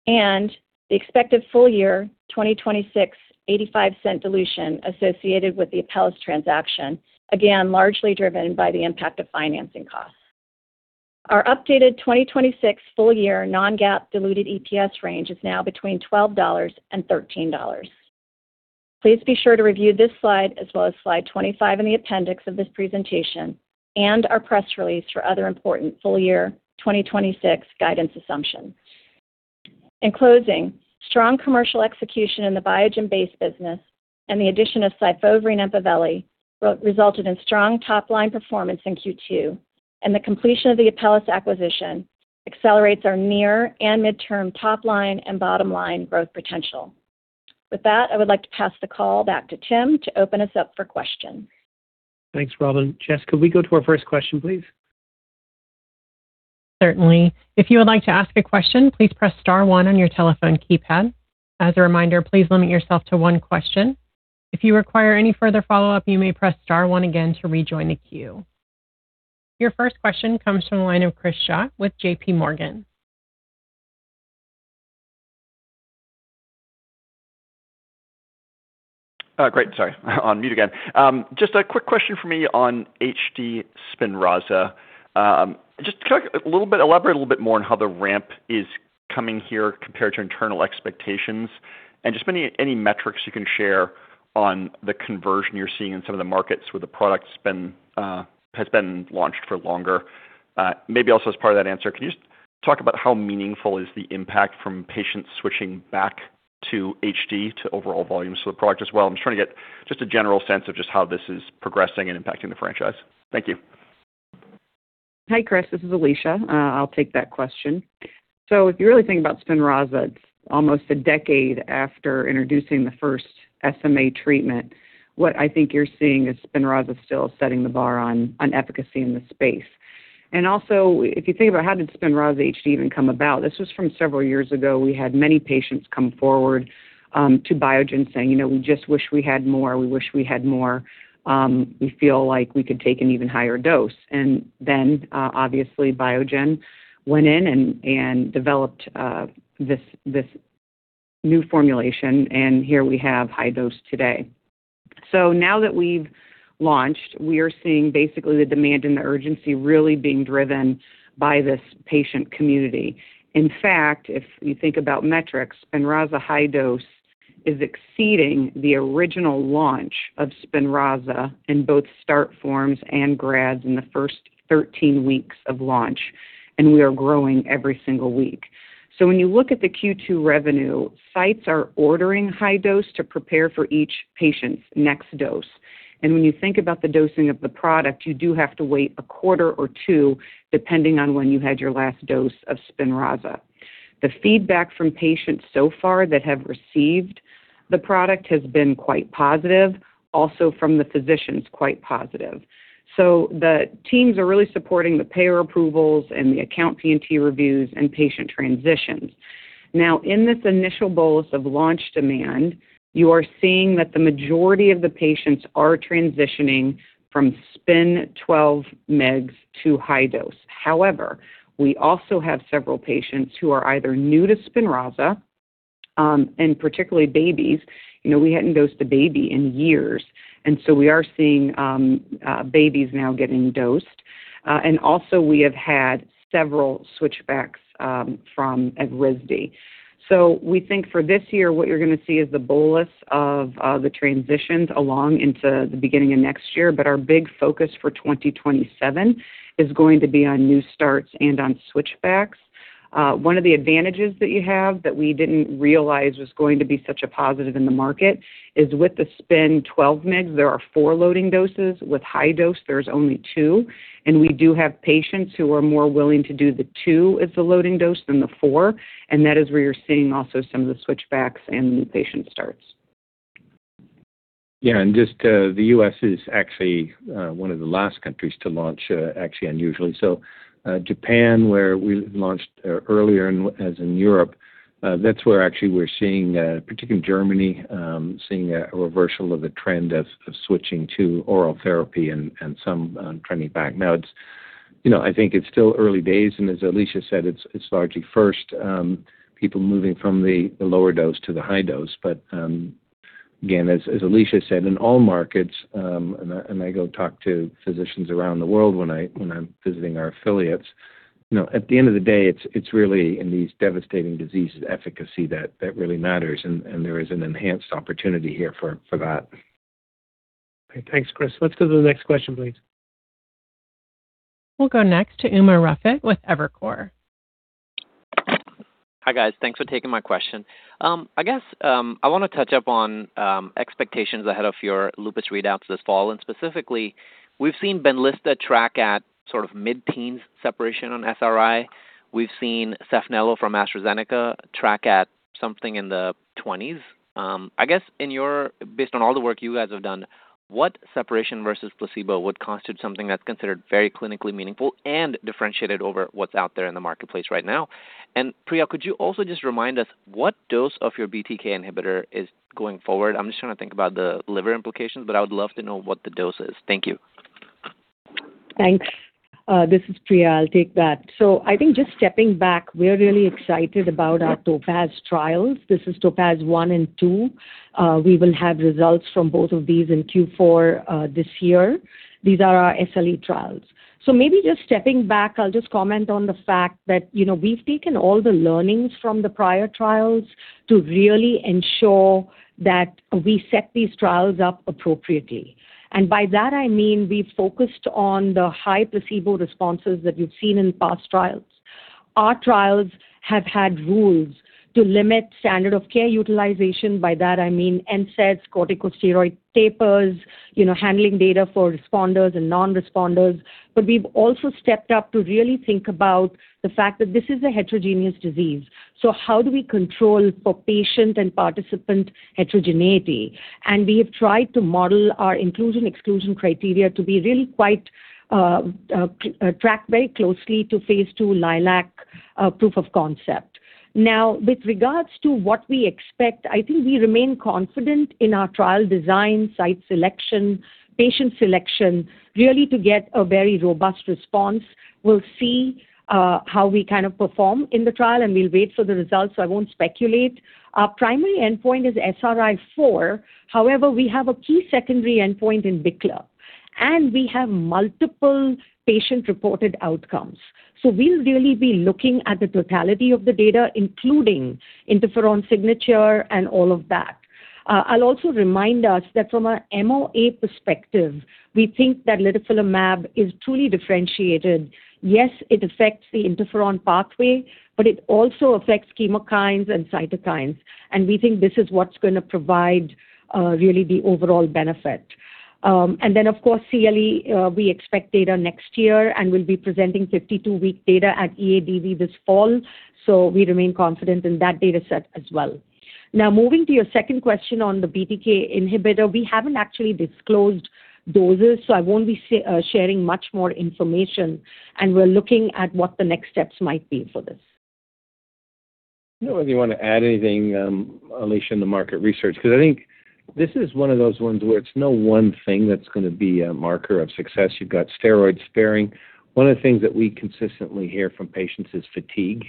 and the expected full-year 2026 $0.85 dilution associated with the Apellis transaction, again, largely driven by the impact of financing costs. Our updated 2026 full-year non-GAAP diluted EPS range is now between $12 and $13. Please be sure to review this slide, as well as slide 25 in the appendix of this presentation and our press release for other important full-year 2026 guidance assumptions. In closing, strong commercial execution in the Biogen-based business and the addition of SYFOVRE and EMPAVELI resulted in strong top-line performance in Q2, and the completion of the Apellis acquisition accelerates our near and mid-term top-line and bottom-line growth potential. With that, I would like to pass the call back to Tim to open us up for questions. Thanks, Robin. Jess, could we go to our first question, please? Certainly. If you would like to ask a question, please press *1 on your telephone keypad. As a reminder, please limit yourself to one question. If you require any further follow-up, you may press *1 again to rejoin the queue. Your first question comes from the line of Chris Schott with JPMorgan. Great. Sorry. On mute again. Just a quick question for me on HD SPINRAZA. Just elaborate a little bit more on how the ramp is coming here compared to internal expectations and just any metrics you can share on the conversion you're seeing in some of the markets where the product has been launched for longer. Maybe also as part of that answer, can you just talk about how meaningful is the impact from patients switching back to HD to overall volumes for the product as well? I'm just trying to get just a general sense of just how this is progressing and impacting the franchise. Thank you. Hi, Chris. This is Alisha. I'll take that question. If you really think about SPINRAZA, it's almost a decade after introducing the first SMA treatment. What I think you're seeing is SPINRAZA still setting the bar on efficacy in the space. If you think about how did SPINRAZA HD even come about, this was from several years ago. We had many patients come forward to Biogen saying, "We just wish we had more. We wish we had more. We feel like we could take an even higher dose." Obviously Biogen went in and developed this new formulation, and here we have high dose today. Now that we've launched, we are seeing basically the demand and the urgency really being driven by this patient community. In fact, if you think about metrics, SPINRAZA high dose is exceeding the original launch of SPINRAZA in both start forms and vials in the first 13 weeks of launch, we are growing every single week. When you look at the Q2 revenue, sites are ordering high dose to prepare for each patient's next dose. When you think about the dosing of the product, you do have to wait a quarter or two, depending on when you had your last dose of SPINRAZA. The feedback from patients so far that have received the product has been quite positive, also from the physicians, quite positive. The teams are really supporting the payer approvals and the account P&T reviews and patient transitions. Now, in this initial bolus of launch demand, you are seeing that the majority of the patients are transitioning from SPINRAZA 12 mg to high dose. We also have several patients who are either new to SPINRAZA, particularly babies. We hadn't dosed a baby in years, we are seeing babies now getting dosed. We have had several switchbacks from risdiplam. We think for this year, what you're going to see is the bolus of the transitions along into the beginning of next year. Our big focus for 2027 is going to be on new starts and on switchbacks. One of the advantages that you have that we didn't realize was going to be such a positive in the market is with the SPINRAZA 12 mg, there are four loading doses. With high dose, there's only two, we do have patients who are more willing to do the two as the loading dose than the four, that is where you're seeing also some of the switchbacks and new patient starts. Just the U.S. is actually one of the last countries to launch, actually unusually so. Japan, where we launched earlier, as in Europe, that's where actually we're seeing, particularly in Germany, seeing a reversal of a trend of switching to oral therapy and some trending back. Now, I think it's still early days, and as Alisha said, it's largely first people moving from the lower dose to the high dose. Again, as Alisha said, in all markets, and I go talk to physicians around the world when I'm visiting our affiliates. At the end of the day, it's really in these devastating diseases efficacy that really matters, and there is an enhanced opportunity here for that. Thanks, Chris. Let's go to the next question, please. We'll go next to Umer Raffat with Evercore. Hi, guys. Thanks for taking my question. I want to touch up on expectations ahead of your lupus readouts this fall, specifically, we've seen BENLYSTA track at sort of mid-teens separation on SRI. We've seen Saphnelo from AstraZeneca track at something in the 20s. Based on all the work you guys have done, what separation versus placebo would constitute something that's considered very clinically meaningful and differentiated over what's out there in the marketplace right now? Priya, could you also just remind us what dose of your BTK inhibitor is going forward? I'm just trying to think about the liver implications, but I would love to know what the dose is. Thank you. Thanks. This is Priya. I'll take that. I think just stepping back, we're really excited about our TOPAZ trials. This is TOPAZ 1 and 2. We will have results from both of these in Q4 this year. These are our SLE trials. Maybe just stepping back, I'll just comment on the fact that we've taken all the learnings from the prior trials to really ensure that we set these trials up appropriately. By that, I mean we've focused on the high placebo responses that we've seen in past trials. Our trials have had rules to limit standard of care utilization. By that, I mean NSAIDs, corticosteroid tapers, handling data for responders and non-responders. We've also stepped up to really think about the fact that this is a heterogeneous disease. How do we control for patient and participant heterogeneity? We have tried to model our inclusion-exclusion criteria to track very closely to phase II LILAC proof of concept. With regards to what we expect, I think we remain confident in our trial design, site selection, patient selection, really to get a very robust response. We'll see how we perform in the trial, and we'll wait for the results, I won't speculate. Our primary endpoint is SRI-4. However, we have a key secondary endpoint in BICLA, and we have multiple patient-reported outcomes. We'll really be looking at the totality of the data, including interferon signature and all of that. I'll also remind us that from an MOA perspective, we think that litifilimab is truly differentiated. Yes, it affects the interferon pathway, but it also affects chemokines and cytokines, and we think this is what's going to provide really the overall benefit. Then, of course, CLE, we expect data next year, and we'll be presenting 52-week data at EADV this fall. We remain confident in that data set as well. Moving to your second question on the BTK inhibitor. We haven't actually disclosed doses, I won't be sharing much more information, and we're looking at what the next steps might be for this. I don't know whether you want to add anything, Alisha, in the market research, because I think this is one of those ones where it's no one thing that's going to be a marker of success. You've got steroid sparing. One of the things that we consistently hear from patients is fatigue,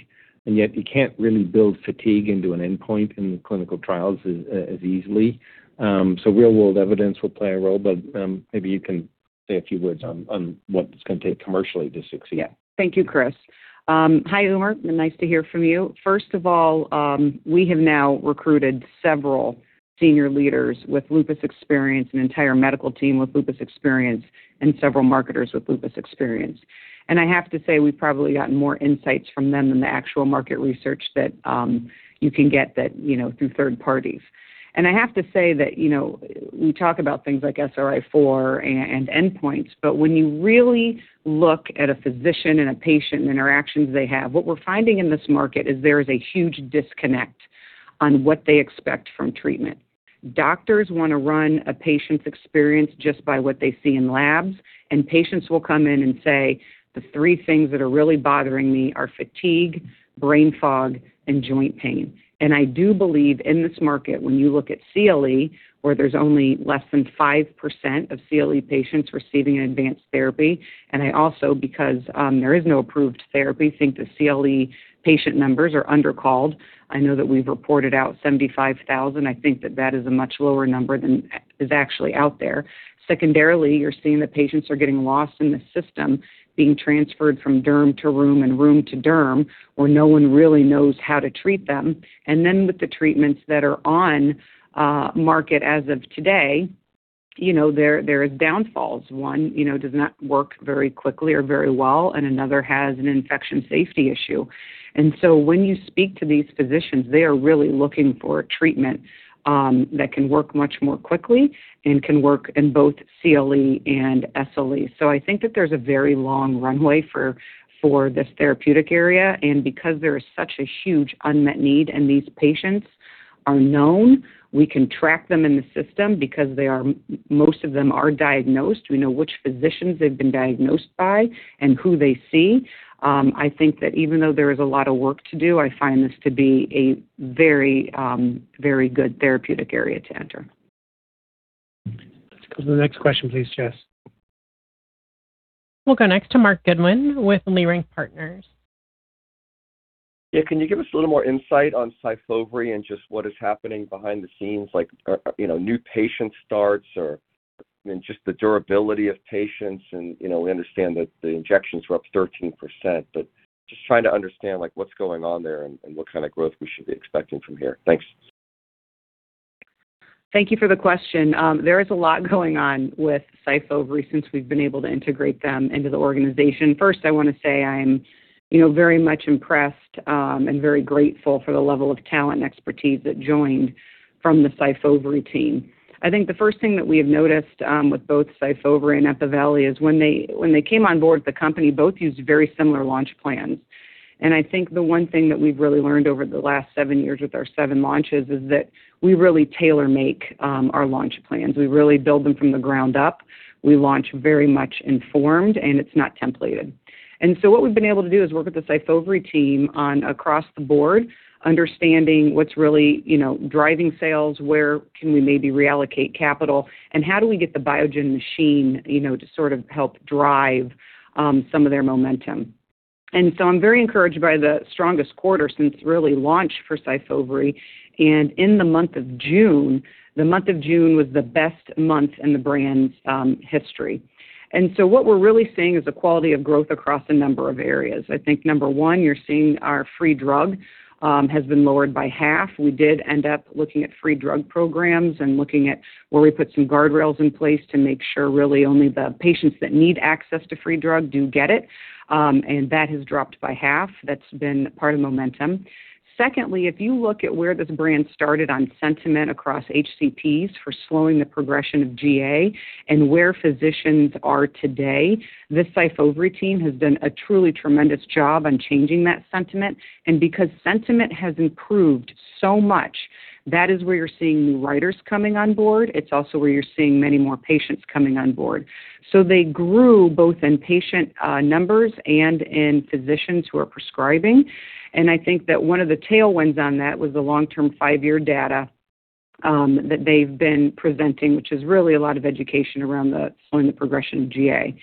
and yet you can't really build fatigue into an endpoint in the clinical trials as easily. Real-world evidence will play a role, but maybe you can say a few words on what it's going to take commercially to succeed. Yeah. Thank you, Chris. Hi, Umer. Nice to hear from you. First of all, we have now recruited several senior leaders with lupus experience, an entire medical team with lupus experience, and several marketers with lupus experience. I have to say, we've probably gotten more insights from them than the actual market research that you can get through third parties. I have to say that we talk about things like SRI-4 and endpoints, but when you really look at a physician and a patient and interactions they have, what we're finding in this market is there is a huge disconnect on what they expect from treatment. Doctors want to run a patient's experience just by what they see in labs, and patients will come in and say, "The three things that are really bothering me are fatigue, brain fog, and joint pain." I do believe in this market, when you look at CLE, where there's only less than 5% of CLE patients receiving an advanced therapy. I also, because there is no approved therapy, think the CLE patient numbers are under-called. I know that we've reported out 75,000. I think that that is a much lower number than is actually out there. Secondarily, you're seeing that patients are getting lost in the system, being transferred from derm to rheum and rheum to derm, where no one really knows how to treat them. Then with the treatments that are on market as of today, there are downfalls. One does not work very quickly or very well, and another has an infection safety issue. When you speak to these physicians, they are really looking for a treatment that can work much more quickly and can work in both CLE and SLE. I think that there's a very long runway for this therapeutic area. Because there is such a huge unmet need and these patients are known, we can track them in the system because most of them are diagnosed. We know which physicians they've been diagnosed by and who they see. I think that even though there is a lot of work to do, I find this to be a very good therapeutic area to enter. Let's go to the next question, please, Jess. We'll go next to Marc Goodman with Leerink Partners. Yeah. Can you give us a little more insight on SYFOVRE and just what is happening behind the scenes? Like new patient starts or just the durability of patients. We understand that the injections were up 13%. Just trying to understand what's going on there and what kind of growth we should be expecting from here. Thanks. Thank you for the question. There is a lot going on with SYFOVRE since we've been able to integrate them into the organization. First, I want to say I'm very much impressed and very grateful for the level of talent and expertise that joined from the SYFOVRE team. I think the first thing that we have noticed with both SYFOVRE and EMPAVELI is when they came on board, the company both used very similar launch plans. I think the one thing that we've really learned over the last seven years with our 7 launches is that we really tailor-make our launch plans. We really build them from the ground up. We launch very much informed, and it's not templated. What we've been able to do is work with the SYFOVRE team on across the board, understanding what's really driving sales, where can we maybe reallocate capital, and how do we get the Biogen machine to sort of help drive some of their momentum. I'm very encouraged by the strongest quarter since really launch for SYFOVRE. In the month of June, the month of June was the best month in the brand's history. What we're really seeing is the quality of growth across a number of areas. I think number 1, you're seeing our free drug has been lowered by half. We did end up looking at free drug programs and looking at where we put some guardrails in place to make sure really only the patients that need access to free drug do get it. That has dropped by half. That has been part of momentum. If you look at where this brand started on sentiment across HCPs for slowing the progression of GA and where physicians are today, the SYFOVRE team has done a truly tremendous job on changing that sentiment. Because sentiment has improved so much, that is where you're seeing new writers coming on board. It's also where you're seeing many more patients coming on board. They grew both in patient numbers and in physicians who are prescribing. I think that one of the tailwinds on that was the long-term five-year data that they've been presenting, which is really a lot of education around slowing the progression of GA.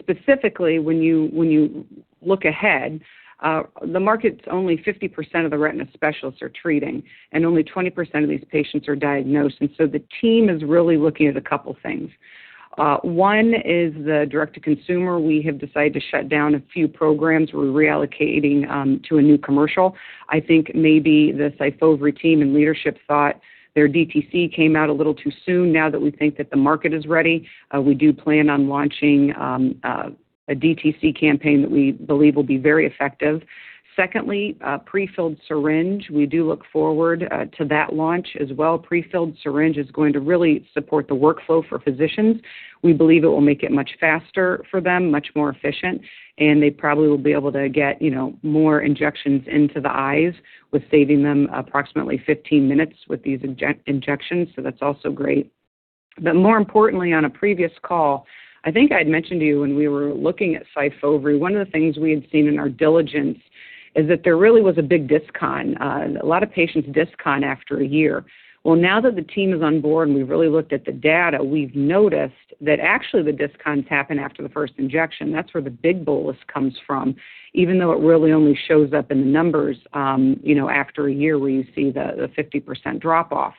Specifically, when you look ahead, the market's only 50% of the retina specialists are treating, and only 20% of these patients are diagnosed. The team is really looking at a couple things. One is the direct-to-consumer. We have decided to shut down a few programs we're reallocating to a new commercial. I think maybe the SYFOVRE team and leadership thought their DTC came out a little too soon. Now that we think that the market is ready, we do plan on launching a DTC campaign that we believe will be very effective. Prefilled syringe. We do look forward to that launch as well. Prefilled syringe is going to really support the workflow for physicians. We believe it will make it much faster for them, much more efficient, and they probably will be able to get more injections into the eyes with saving them approximately 15 minutes with these injections, that's also great. More importantly, on a previous call, I think I'd mentioned to you when we were looking at SYFOVRE, one of the things we had seen in our diligence is that there really was a big discontinuation rate. A lot of patients discontinue after a year. Well, now that the team is on board and we've really looked at the data, we've noticed that actually the discontinuations happen after the first injection. That's where the big bolus comes from, even though it really only shows up in the numbers after a year where you see the 50% drop-off.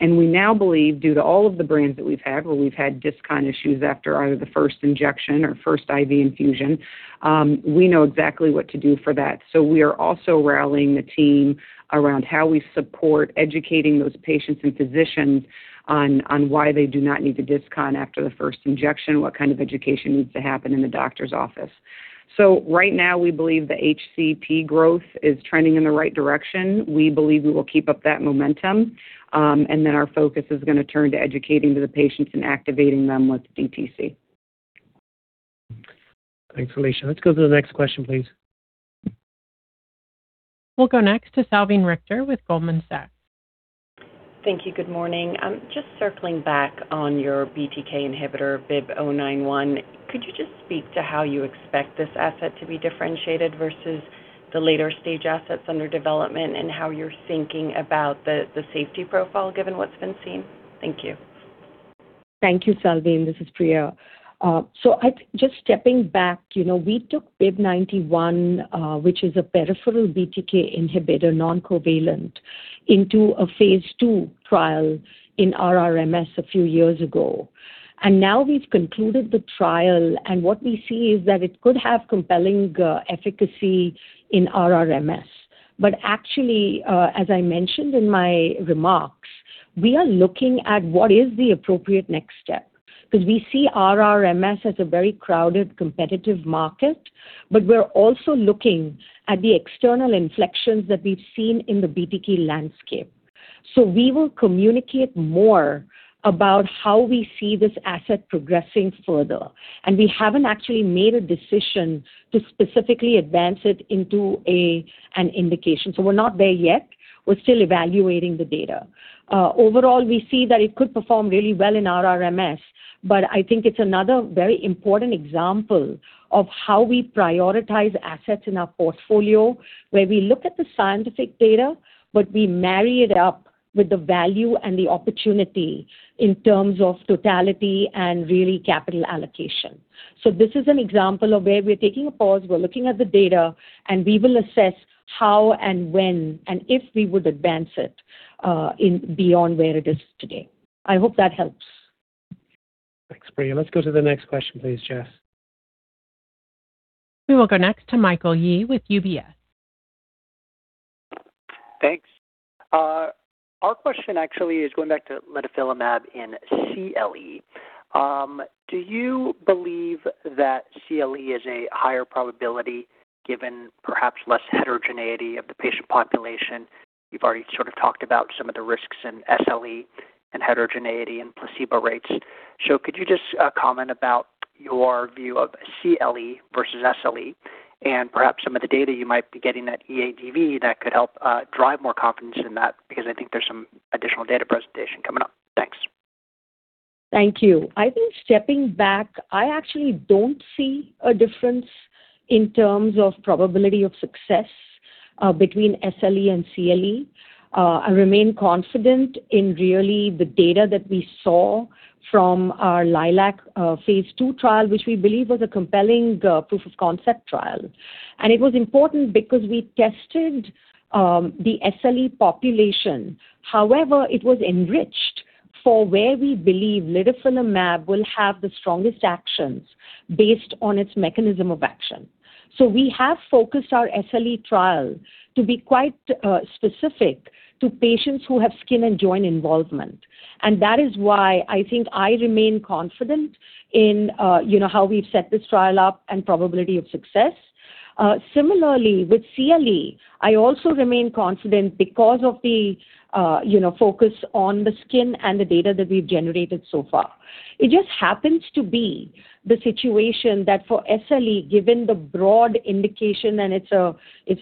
We now believe due to all of the brands that we've had, where we've had discontinuation issues after either the first injection or first IV infusion, we know exactly what to do for that. We are also rallying the team around how we support educating those patients and physicians on why they do not need to discontinue after the first injection, what kind of education needs to happen in the doctor's office. Right now, we believe the HCP growth is trending in the right direction. We believe we will keep up that momentum. Our focus is going to turn to educating the patients and activating them with DTC. Thanks, Alisha. Let's go to the next question, please. We'll go next to Salveen Richter with Goldman Sachs. Thank you. Good morning. Just circling back on your BTK inhibitor, BIIB091. Could you just speak to how you expect this asset to be differentiated versus the later-stage assets under development and how you're thinking about the safety profile given what's been seen? Thank you. Thank you, Salveen. This is Priya. Just stepping back, we took BIIB091, which is a peripheral BTK inhibitor, non-covalent, into a phase II trial in RRMS a few years ago. Now we've concluded the trial, and what we see is that it could have compelling efficacy in RRMS. Actually, as I mentioned in my remarks, we are looking at what is the appropriate next step. We see RRMS as a very crowded, competitive market. We're also looking at the external inflections that we've seen in the BTK landscape. We will communicate more about how we see this asset progressing further. We haven't actually made a decision to specifically advance it into an indication. We're not there yet. We're still evaluating the data. Overall, we see that it could perform really well in RRMS, I think it's another very important example of how we prioritize assets in our portfolio, where we look at the scientific data, but we marry it up with the value and the opportunity in terms of totality and really capital allocation. This is an example of where we're taking a pause, we're looking at the data, and we will assess how and when and if we would advance it beyond where it is today. I hope that helps. Thanks, Priya. Let's go to the next question, please, Jess. We will go next to Michael Yee with UBS. Thanks. Our question actually is going back to litifilimab in CLE. Do you believe that CLE is a higher probability given perhaps less heterogeneity of the patient population? You've already sort of talked about some of the risks in SLE and heterogeneity and placebo rates. Could you just comment about your view of CLE versus SLE and perhaps some of the data you might be getting at EADV that could help drive more confidence in that? I think there's some additional data presentation coming up. Thanks. Thank you. I think stepping back, I actually don't see a difference in terms of probability of success, between SLE and CLE. I remain confident in really the data that we saw from our LILAC phase II trial, which we believe was a compelling proof of concept trial. It was important because we tested the SLE population. However, it was enriched for where we believe litifilimab will have the strongest actions based on its mechanism of action. We have focused our SLE trial to be quite specific to patients who have skin and joint involvement. That is why I think I remain confident in how we've set this trial up and probability of success. Similarly, with CLE, I also remain confident because of the focus on the skin and the data that we've generated so far. It just happens to be the situation that for SLE, given the broad indication, and it's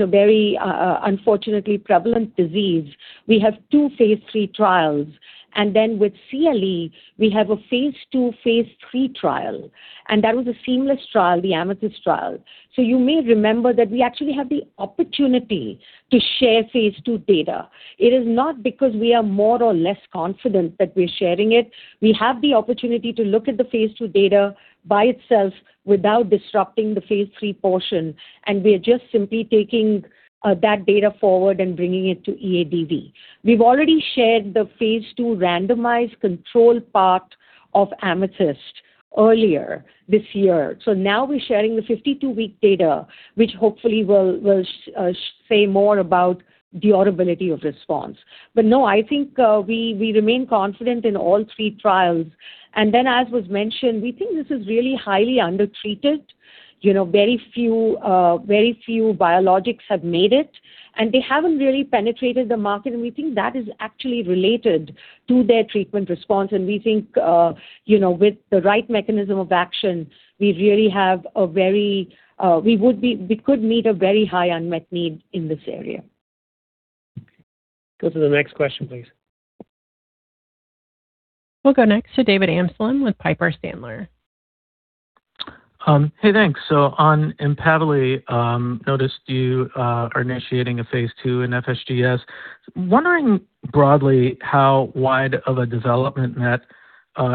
a very unfortunately prevalent disease, we have two phase III trials. With CLE, we have a phase II, phase III trial, and that was a seamless trial, the AMETHYST trial. You may remember that we actually have the opportunity to share phase II data. It is not because we are more or less confident that we're sharing it. We have the opportunity to look at the phase II data by itself without disrupting the phase III portion. We are just simply taking that data forward and bringing it to EADV. We've already shared the phase II randomized control part of AMETHYST earlier this year. Now we're sharing the 52-week data, which hopefully will say more about durability of response. No, I think, we remain confident in all three trials. As was mentioned, we think this is really highly undertreated. Very few biologics have made it, and they haven't really penetrated the market, and we think that is actually related to their treatment response and we think, with the right mechanism of action, we could meet a very high unmet need in this area. Go to the next question, please. We'll go next to David Amsellem with Piper Sandler. Hey, thanks. On EMPAVELI, noticed you are initiating a phase II in FSGS. Wondering broadly how wide of a development net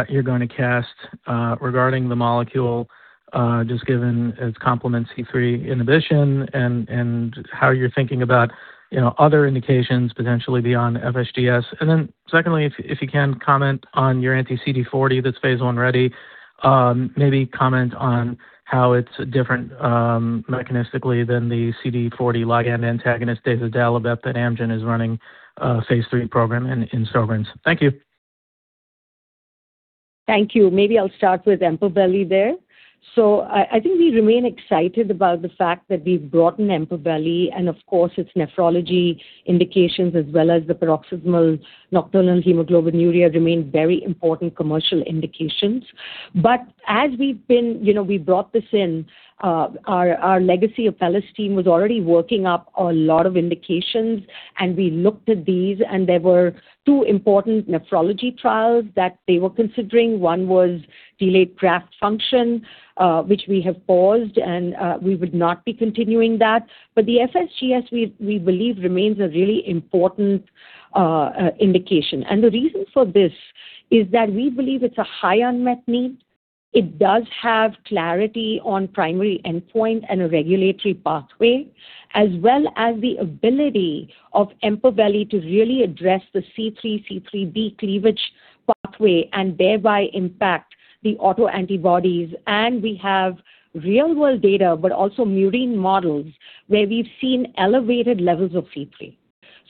you're going to cast regarding the molecule, just given its complement C3 inhibition and how you're thinking about other indications potentially beyond FSGS. Secondly, if you can comment on your anti-CD40 that's phase I ready, maybe comment on how it's different mechanistically than the CD40 ligand antagonist, dazodalibep, that Amgen is running a phase III program in Sjögren's. Thank you. Thank you. Maybe I'll start with EMPAVELI there. I think we remain excited about the fact that we've brought in EMPAVELI and of course, its nephrology indications as well as the paroxysmal nocturnal hemoglobinuria remain very important commercial indications. We brought this in, our legacy Apellis team was already working up a lot of indications, and we looked at these and there were two important nephrology trials that they were considering. One was delayed graft function, which we have paused, and we would not be continuing that. The FSGS, we believe remains a really important indication. The reason for this is that we believe it's a high unmet need. It does have clarity on primary endpoint and a regulatory pathway, as well as the ability of EMPAVELI to really address the C3, C3b cleavage pathway and thereby impact the autoantibodies. We have real world data, also murine models where we've seen elevated levels of C3.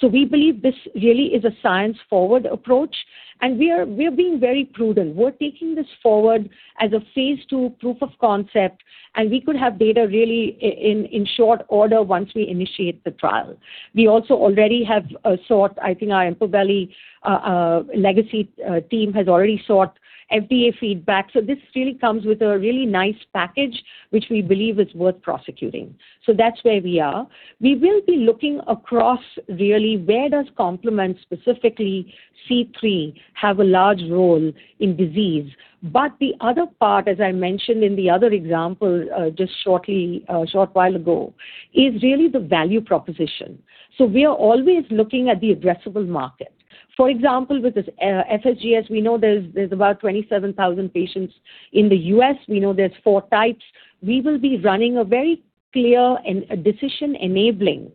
We believe this really is a science forward approach and we're being very prudent. We're taking this forward as a phase II proof of concept, and we could have data really in short order once we initiate the trial. We also already have sought, I think our EMPAVELI legacy team has already sought FDA feedback. This really comes with a really nice package which we believe is worth prosecuting. That's where we are. We will be looking across really where does complement, specifically C3, have a large role in disease. The other part, as I mentioned in the other example just a short while ago, is really the value proposition. We are always looking at the addressable market. For example, with this FSGS, we know there's about 27,000 patients in the U.S. We know there's 4 types. We will be running a very clear and decision enabling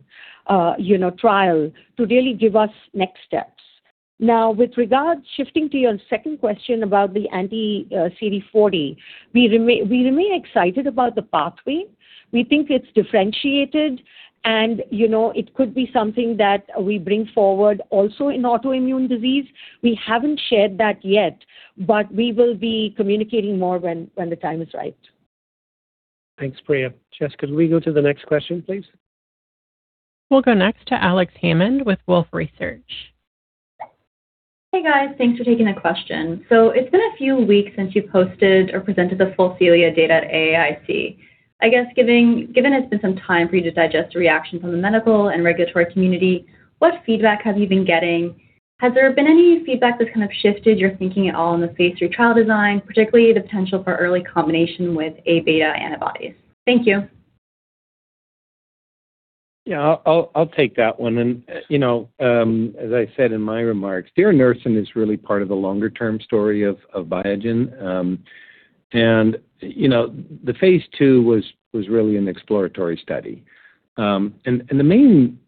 trial to really give us next steps. With regards shifting to your second question about the anti-CD40, we remain excited about the pathway. We think it's differentiated and it could be something that we bring forward also in autoimmune disease. We haven't shared that yet, but we will be communicating more when the time is right. Thanks, Priya. Jess, could we go to the next question, please? We'll go next to Alex Hammond with Wolfe Research. It's been a few weeks since you posted or presented the full CELIA data at AAIC. I guess given it's been some time for you to digest the reaction from the medical and regulatory community, what feedback have you been getting? Has there been any feedback that's kind of shifted your thinking at all in the phase III trial design, particularly the potential for early combination with A-beta antibodies? Thank you. Yeah. I'll take that one. As I said in my remarks, diranersen is really part of the longer-term story of Biogen. The phase II was really an exploratory study. The main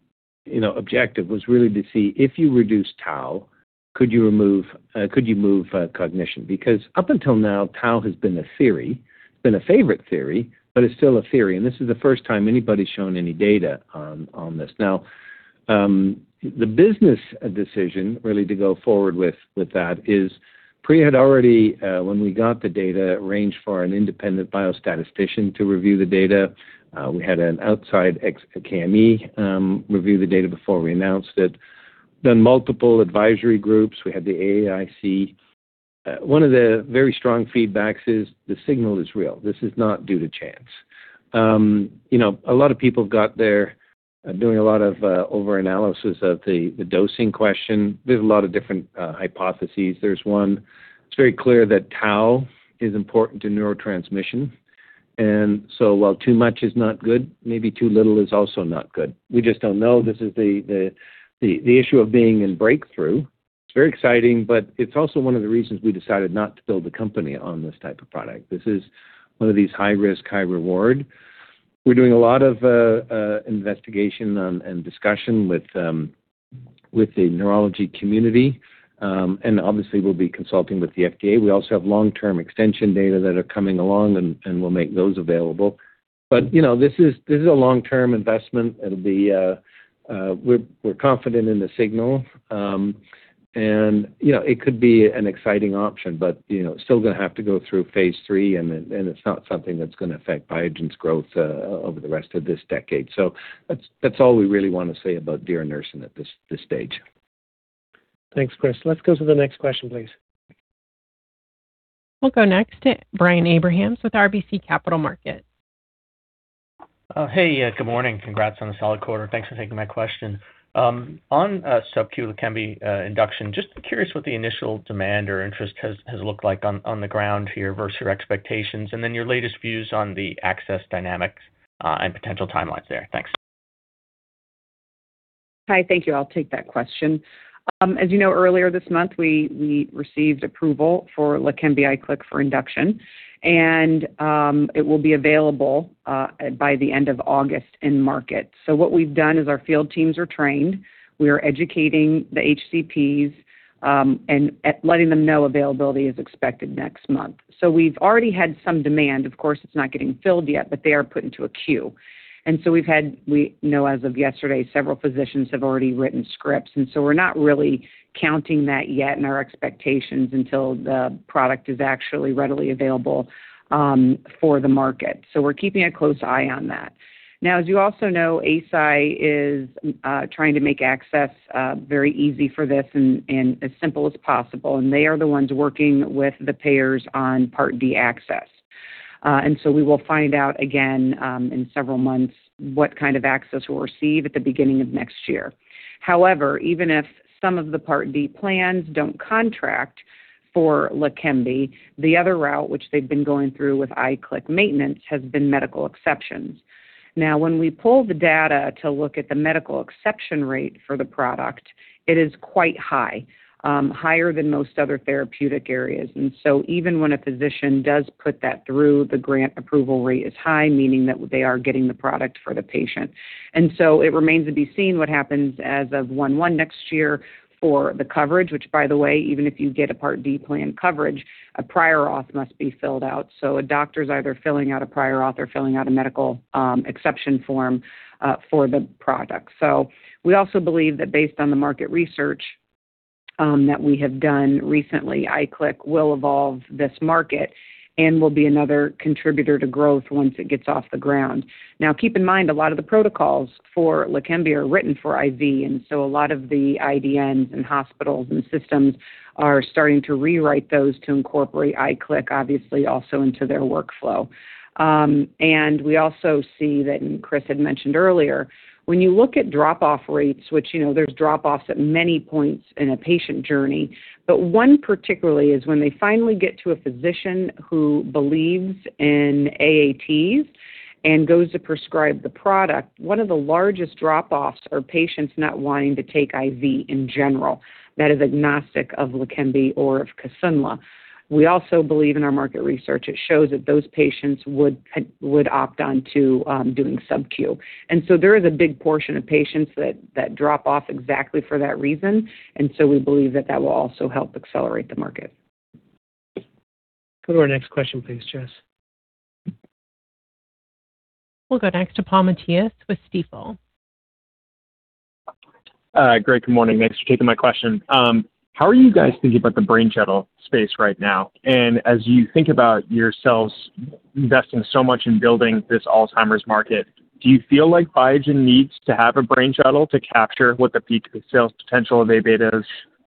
objective was really to see if you reduce tau, could you move cognition? Because up until now, tau has been a theory, been a favorite theory, but it's still a theory, and this is the first time anybody's shown any data on this. Now, the business decision really to go forward with that is Priya had already, when we got the data, arranged for an independent biostatistician to review the data. We had an outside ex KME review the data before we announced it. Then multiple advisory groups. We had the AAIC. One of the very strong feedback is the signal is real. This is not due to chance. A lot of people got there doing a lot of over-analysis of the dosing question. There's a lot of different hypotheses. There's one, it's very clear that tau is important to neurotransmission. While too much is not good, maybe too little is also not good. We just don't know. This is the issue of being in breakthrough. It's very exciting, but it's also one of the reasons we decided not to build a company on this type of product. This is one of these high risk, high reward. We're doing a lot of investigation and discussion with the neurology community. Obviously, we'll be consulting with the FDA. We also have long-term extension data that are coming along, and we'll make those available. This is a long-term investment. We're confident in the signal. It could be an exciting option, but still going to have to go through phase III, and it's not something that's going to affect Biogen's growth over the rest of this decade. That's all we really want to say about diranersen at this stage. Thanks, Chris. Let's go to the next question, please. We'll go next to Brian Abrahams with RBC Capital Markets. Hey, good morning. Congrats on the solid quarter. Thanks for taking my question. On subcu LEQEMBI induction, just curious what the initial demand or interest has looked like on the ground here versus your expectations, then your latest views on the access dynamics and potential timelines there. Thanks. Hi, thank you. I'll take that question. As you know, earlier this month, we received approval for LEQEMBI IQLIK for induction. It will be available by the end of August in market. What we've done is our field teams are trained. We are educating the HCPs, letting them know availability is expected next month. We've already had some demand. Of course, it's not getting filled yet, but they are put into a queue. We've had, as of yesterday, several physicians have already written scripts, we're not really counting that yet in our expectations until the product is actually readily available for the market. We're keeping a close eye on that. As you also know, Eisai is trying to make access very easy for this and as simple as possible, and they are the ones working with the payers on Part D access. We will find out again in several months what kind of access we'll receive at the beginning of next year. However, even if some of the Part D plans don't contract for LEQEMBI, the other route, which they've been going through with LEQEMBI IQLIK maintenance, has been medical exceptions. When we pull the data to look at the medical exception rate for the product, it is quite high. Higher than most other therapeutic areas. Even when a physician does put that through, the grant approval rate is high, meaning that they are getting the product for the patient. It remains to be seen what happens as of 1/1 next year for the coverage. Which, by the way, even if you get a Part D plan coverage, a prior auth must be filled out. A doctor's either filling out a prior auth or filling out a medical exception form for the product. We also believe that based on the market research that we have done recently, LEQEMBI IQLIK will evolve this market and will be another contributor to growth once it gets off the ground. Keep in mind, a lot of the protocols for LEQEMBI are written for IV, and so a lot of the IDNs and hospitals and systems are starting to rewrite those to incorporate LEQEMBI IQLIK obviously also into their workflow. We also see that, and Chris had mentioned earlier, when you look at drop-off rates, which there's drop-offs at many points in a patient journey. One particularly is when they finally get to a physician who believes in AAT and goes to prescribe the product. One of the largest drop-offs are patients not wanting to take IV in general. That is agnostic of LEQEMBI or of Kisunla. We also believe in our market research, it shows that those patients would opt on to doing subcu. There is a big portion of patients that drop off exactly for that reason. We believe that that will also help accelerate the market. Go to our next question please, Jess. We'll go next to Paul Matteis with Stifel. Hi. Great. Good morning. Thanks for taking my question. How are you guys thinking about the brain shuttle space right now? As you think about yourselves investing so much in building this Alzheimer's market, do you feel like Biogen needs to have a brain shuttle to capture what the peak sales potential of A-beta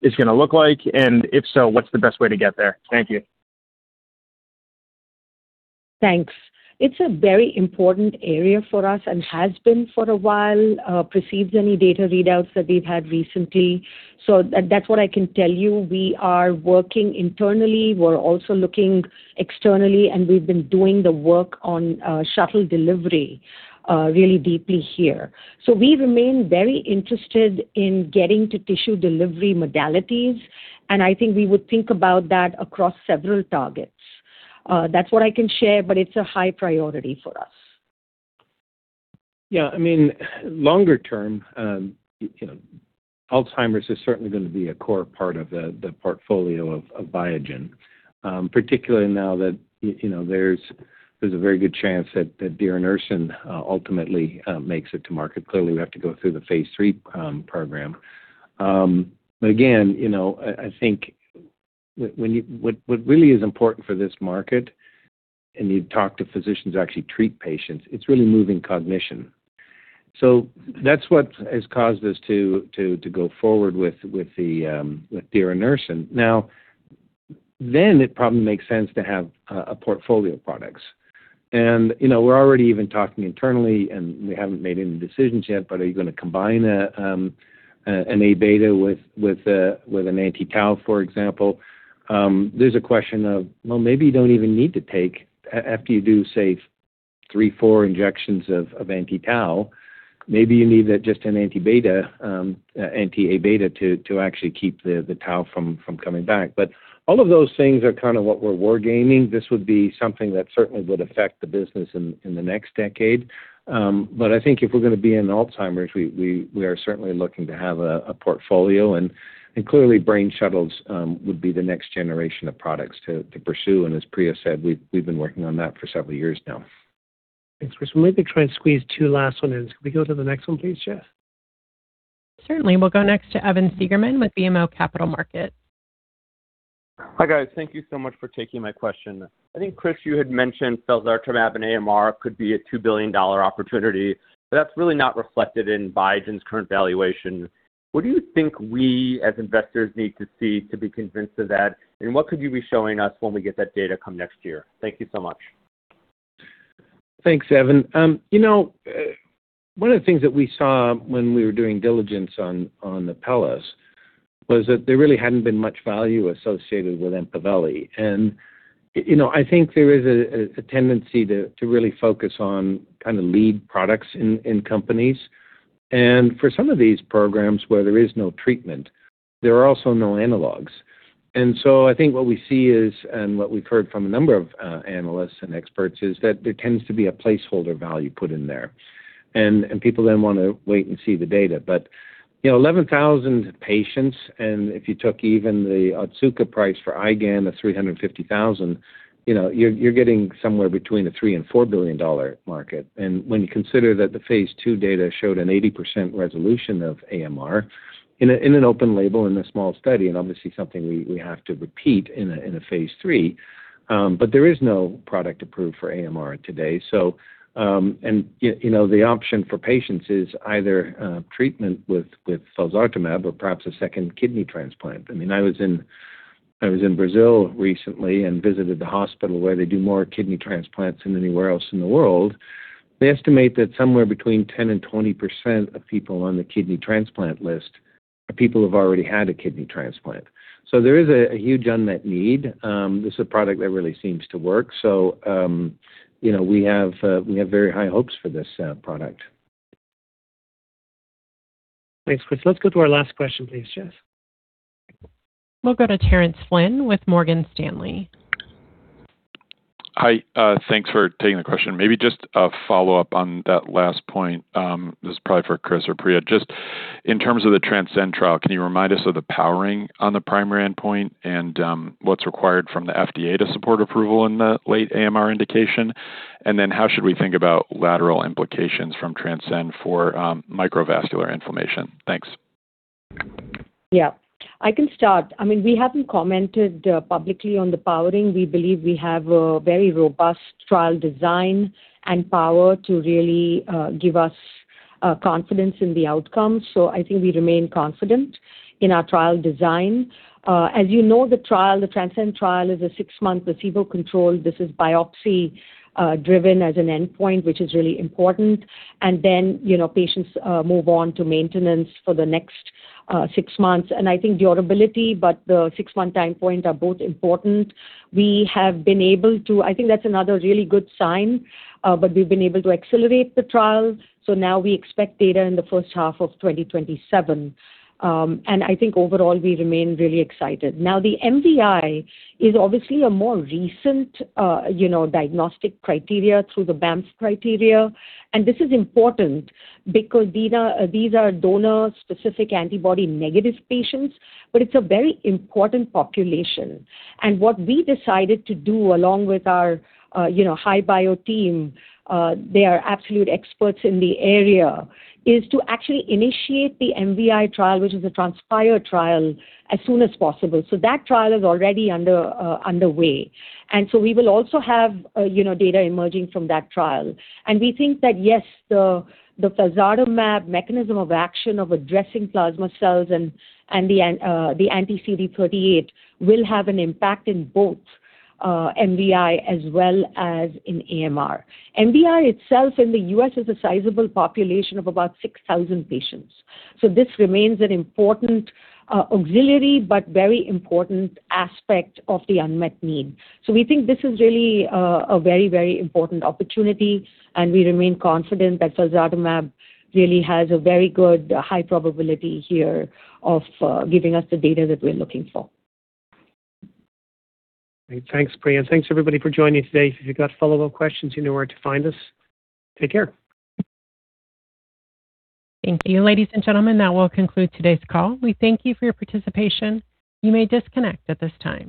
is going to look like? If so, what's the best way to get there? Thank you. Thanks. It's a very important area for us and has been for a while, precedes any data readouts that we've had recently. That's what I can tell you. We are working internally. We're also looking externally, we've been doing the work on shuttle delivery really deeply here. We remain very interested in getting to tissue delivery modalities, I think we would think about that across several targets. That's what I can share, it's a high priority for us. Yeah, longer term, Alzheimer's is certainly going to be a core part of the portfolio of Biogen. Particularly now that there's a very good chance that LEQEMBI ultimately makes it to market. Clearly, we have to go through the phase III program. Again, I think what really is important for this market, you talk to physicians who actually treat patients, it's really moving cognition. That's what has caused us to go forward with LEQEMBI. Now, it probably makes sense to have a portfolio of products. We're already even talking internally, we haven't made any decisions yet, are you going to combine an A-beta with an anti-tau, for example? There's a question of, well, maybe you don't even need to take, after you do, say, three, four injections of anti-tau, maybe you need just an anti-A-beta to actually keep the tau from coming back. All of those things are kind of what we're war gaming. This would be something that certainly would affect the business in the next decade. I think if we're going to be in Alzheimer's, we are certainly looking to have a portfolio, and clearly, brain shuttles would be the next generation of products to pursue. As Priya said, we've been working on that for several years now. Thanks, Chris. We'll maybe try and squeeze two last ones in. Could we go to the next one, please, Jess? Certainly. We'll go next to Evan Seigerman with BMO Capital Markets. Hi, guys. Thank you so much for taking my question. I think, Chris, you had mentioned felzartamab and AMR could be a $2 billion opportunity, that's really not reflected in Biogen's current valuation. What do you think we, as investors, need to see to be convinced of that? What could you be showing us when we get that data come next year? Thank you so much. Thanks, Evan. One of the things that we saw when we were doing diligence on Apellis was that there really hadn't been much value associated with EMPAVELI. I think there is a tendency to really focus on kind of lead products in companies. For some of these programs where there is no treatment, there are also no analogs. I think what we see is, and what we've heard from a number of analysts and experts, is that there tends to be a placeholder value put in there, and people then want to wait and see the data. 11,000 patients, and if you took even the Otsuka price for IGAN of $350,000, you're getting somewhere between a $3 billion and $4 billion market. When you consider that the phase II data showed an 80% resolution of AMR in an open label in a small study, obviously something we have to repeat in a phase III. There is no product approved for AMR today. The option for patients is either treatment with felzartamab or perhaps a second kidney transplant. I was in Brazil recently and visited the hospital where they do more kidney transplants than anywhere else in the world. They estimate that somewhere between 10% and 20% of people on the kidney transplant list are people who've already had a kidney transplant. There is a huge unmet need. This is a product that really seems to work. We have very high hopes for this product. Thanks, Chris. Let's go to our last question, please, Jess. We'll go to Terence Flynn with Morgan Stanley. Hi. Thanks for taking the question. Maybe just a follow-up on that last point. This is probably for Chris or Priya. Just in terms of the TRANSCEND trial, can you remind us of the powering on the primary endpoint and what's required from the FDA to support approval in the late AMR indication? How should we think about lateral implications from TRANSCEND for microvascular inflammation? Thanks. Yeah. I can start. We haven't commented publicly on the powering. We believe we have a very robust trial design and power to really give us confidence in the outcome. I think we remain confident in our trial design. As you know, the trial, the TRANSCEND trial, is a 6-month placebo control. This is biopsy-driven as an endpoint, which is really important. Patients move on to maintenance for the next 6 months. I think durability, but the 6-month time point are both important. I think that's another really good sign, we've been able to accelerate the trial, now we expect data in the first half of 2027. I think overall, we remain really excited. Now, the MVI is obviously a more recent diagnostic criteria through the Banff criteria. This is important because these are donor-specific antibody-negative patients. It's a very important population. What we decided to do, along with our HI-Bio team, they are absolute experts in the area, is to actually initiate the MVI trial, which is the TRANSPIRE trial, as soon as possible. That trial is already underway. We will also have data emerging from that trial. We think that, yes, the felzartamab mechanism of action of addressing plasma cells and the anti-CD38 will have an impact in both MVI as well as in AMR. MVI itself in the U.S. is a sizable population of about 6,000 patients. This remains an important auxiliary but very important aspect of the unmet need. We think this is really a very important opportunity, and we remain confident that felzartamab really has a very good high probability here of giving us the data that we're looking for. Great. Thanks, Priya. Thanks everybody for joining today. If you've got follow-up questions, you know where to find us. Take care. Thank you. Ladies and gentlemen, that will conclude today's call. We thank you for your participation. You may disconnect at this time.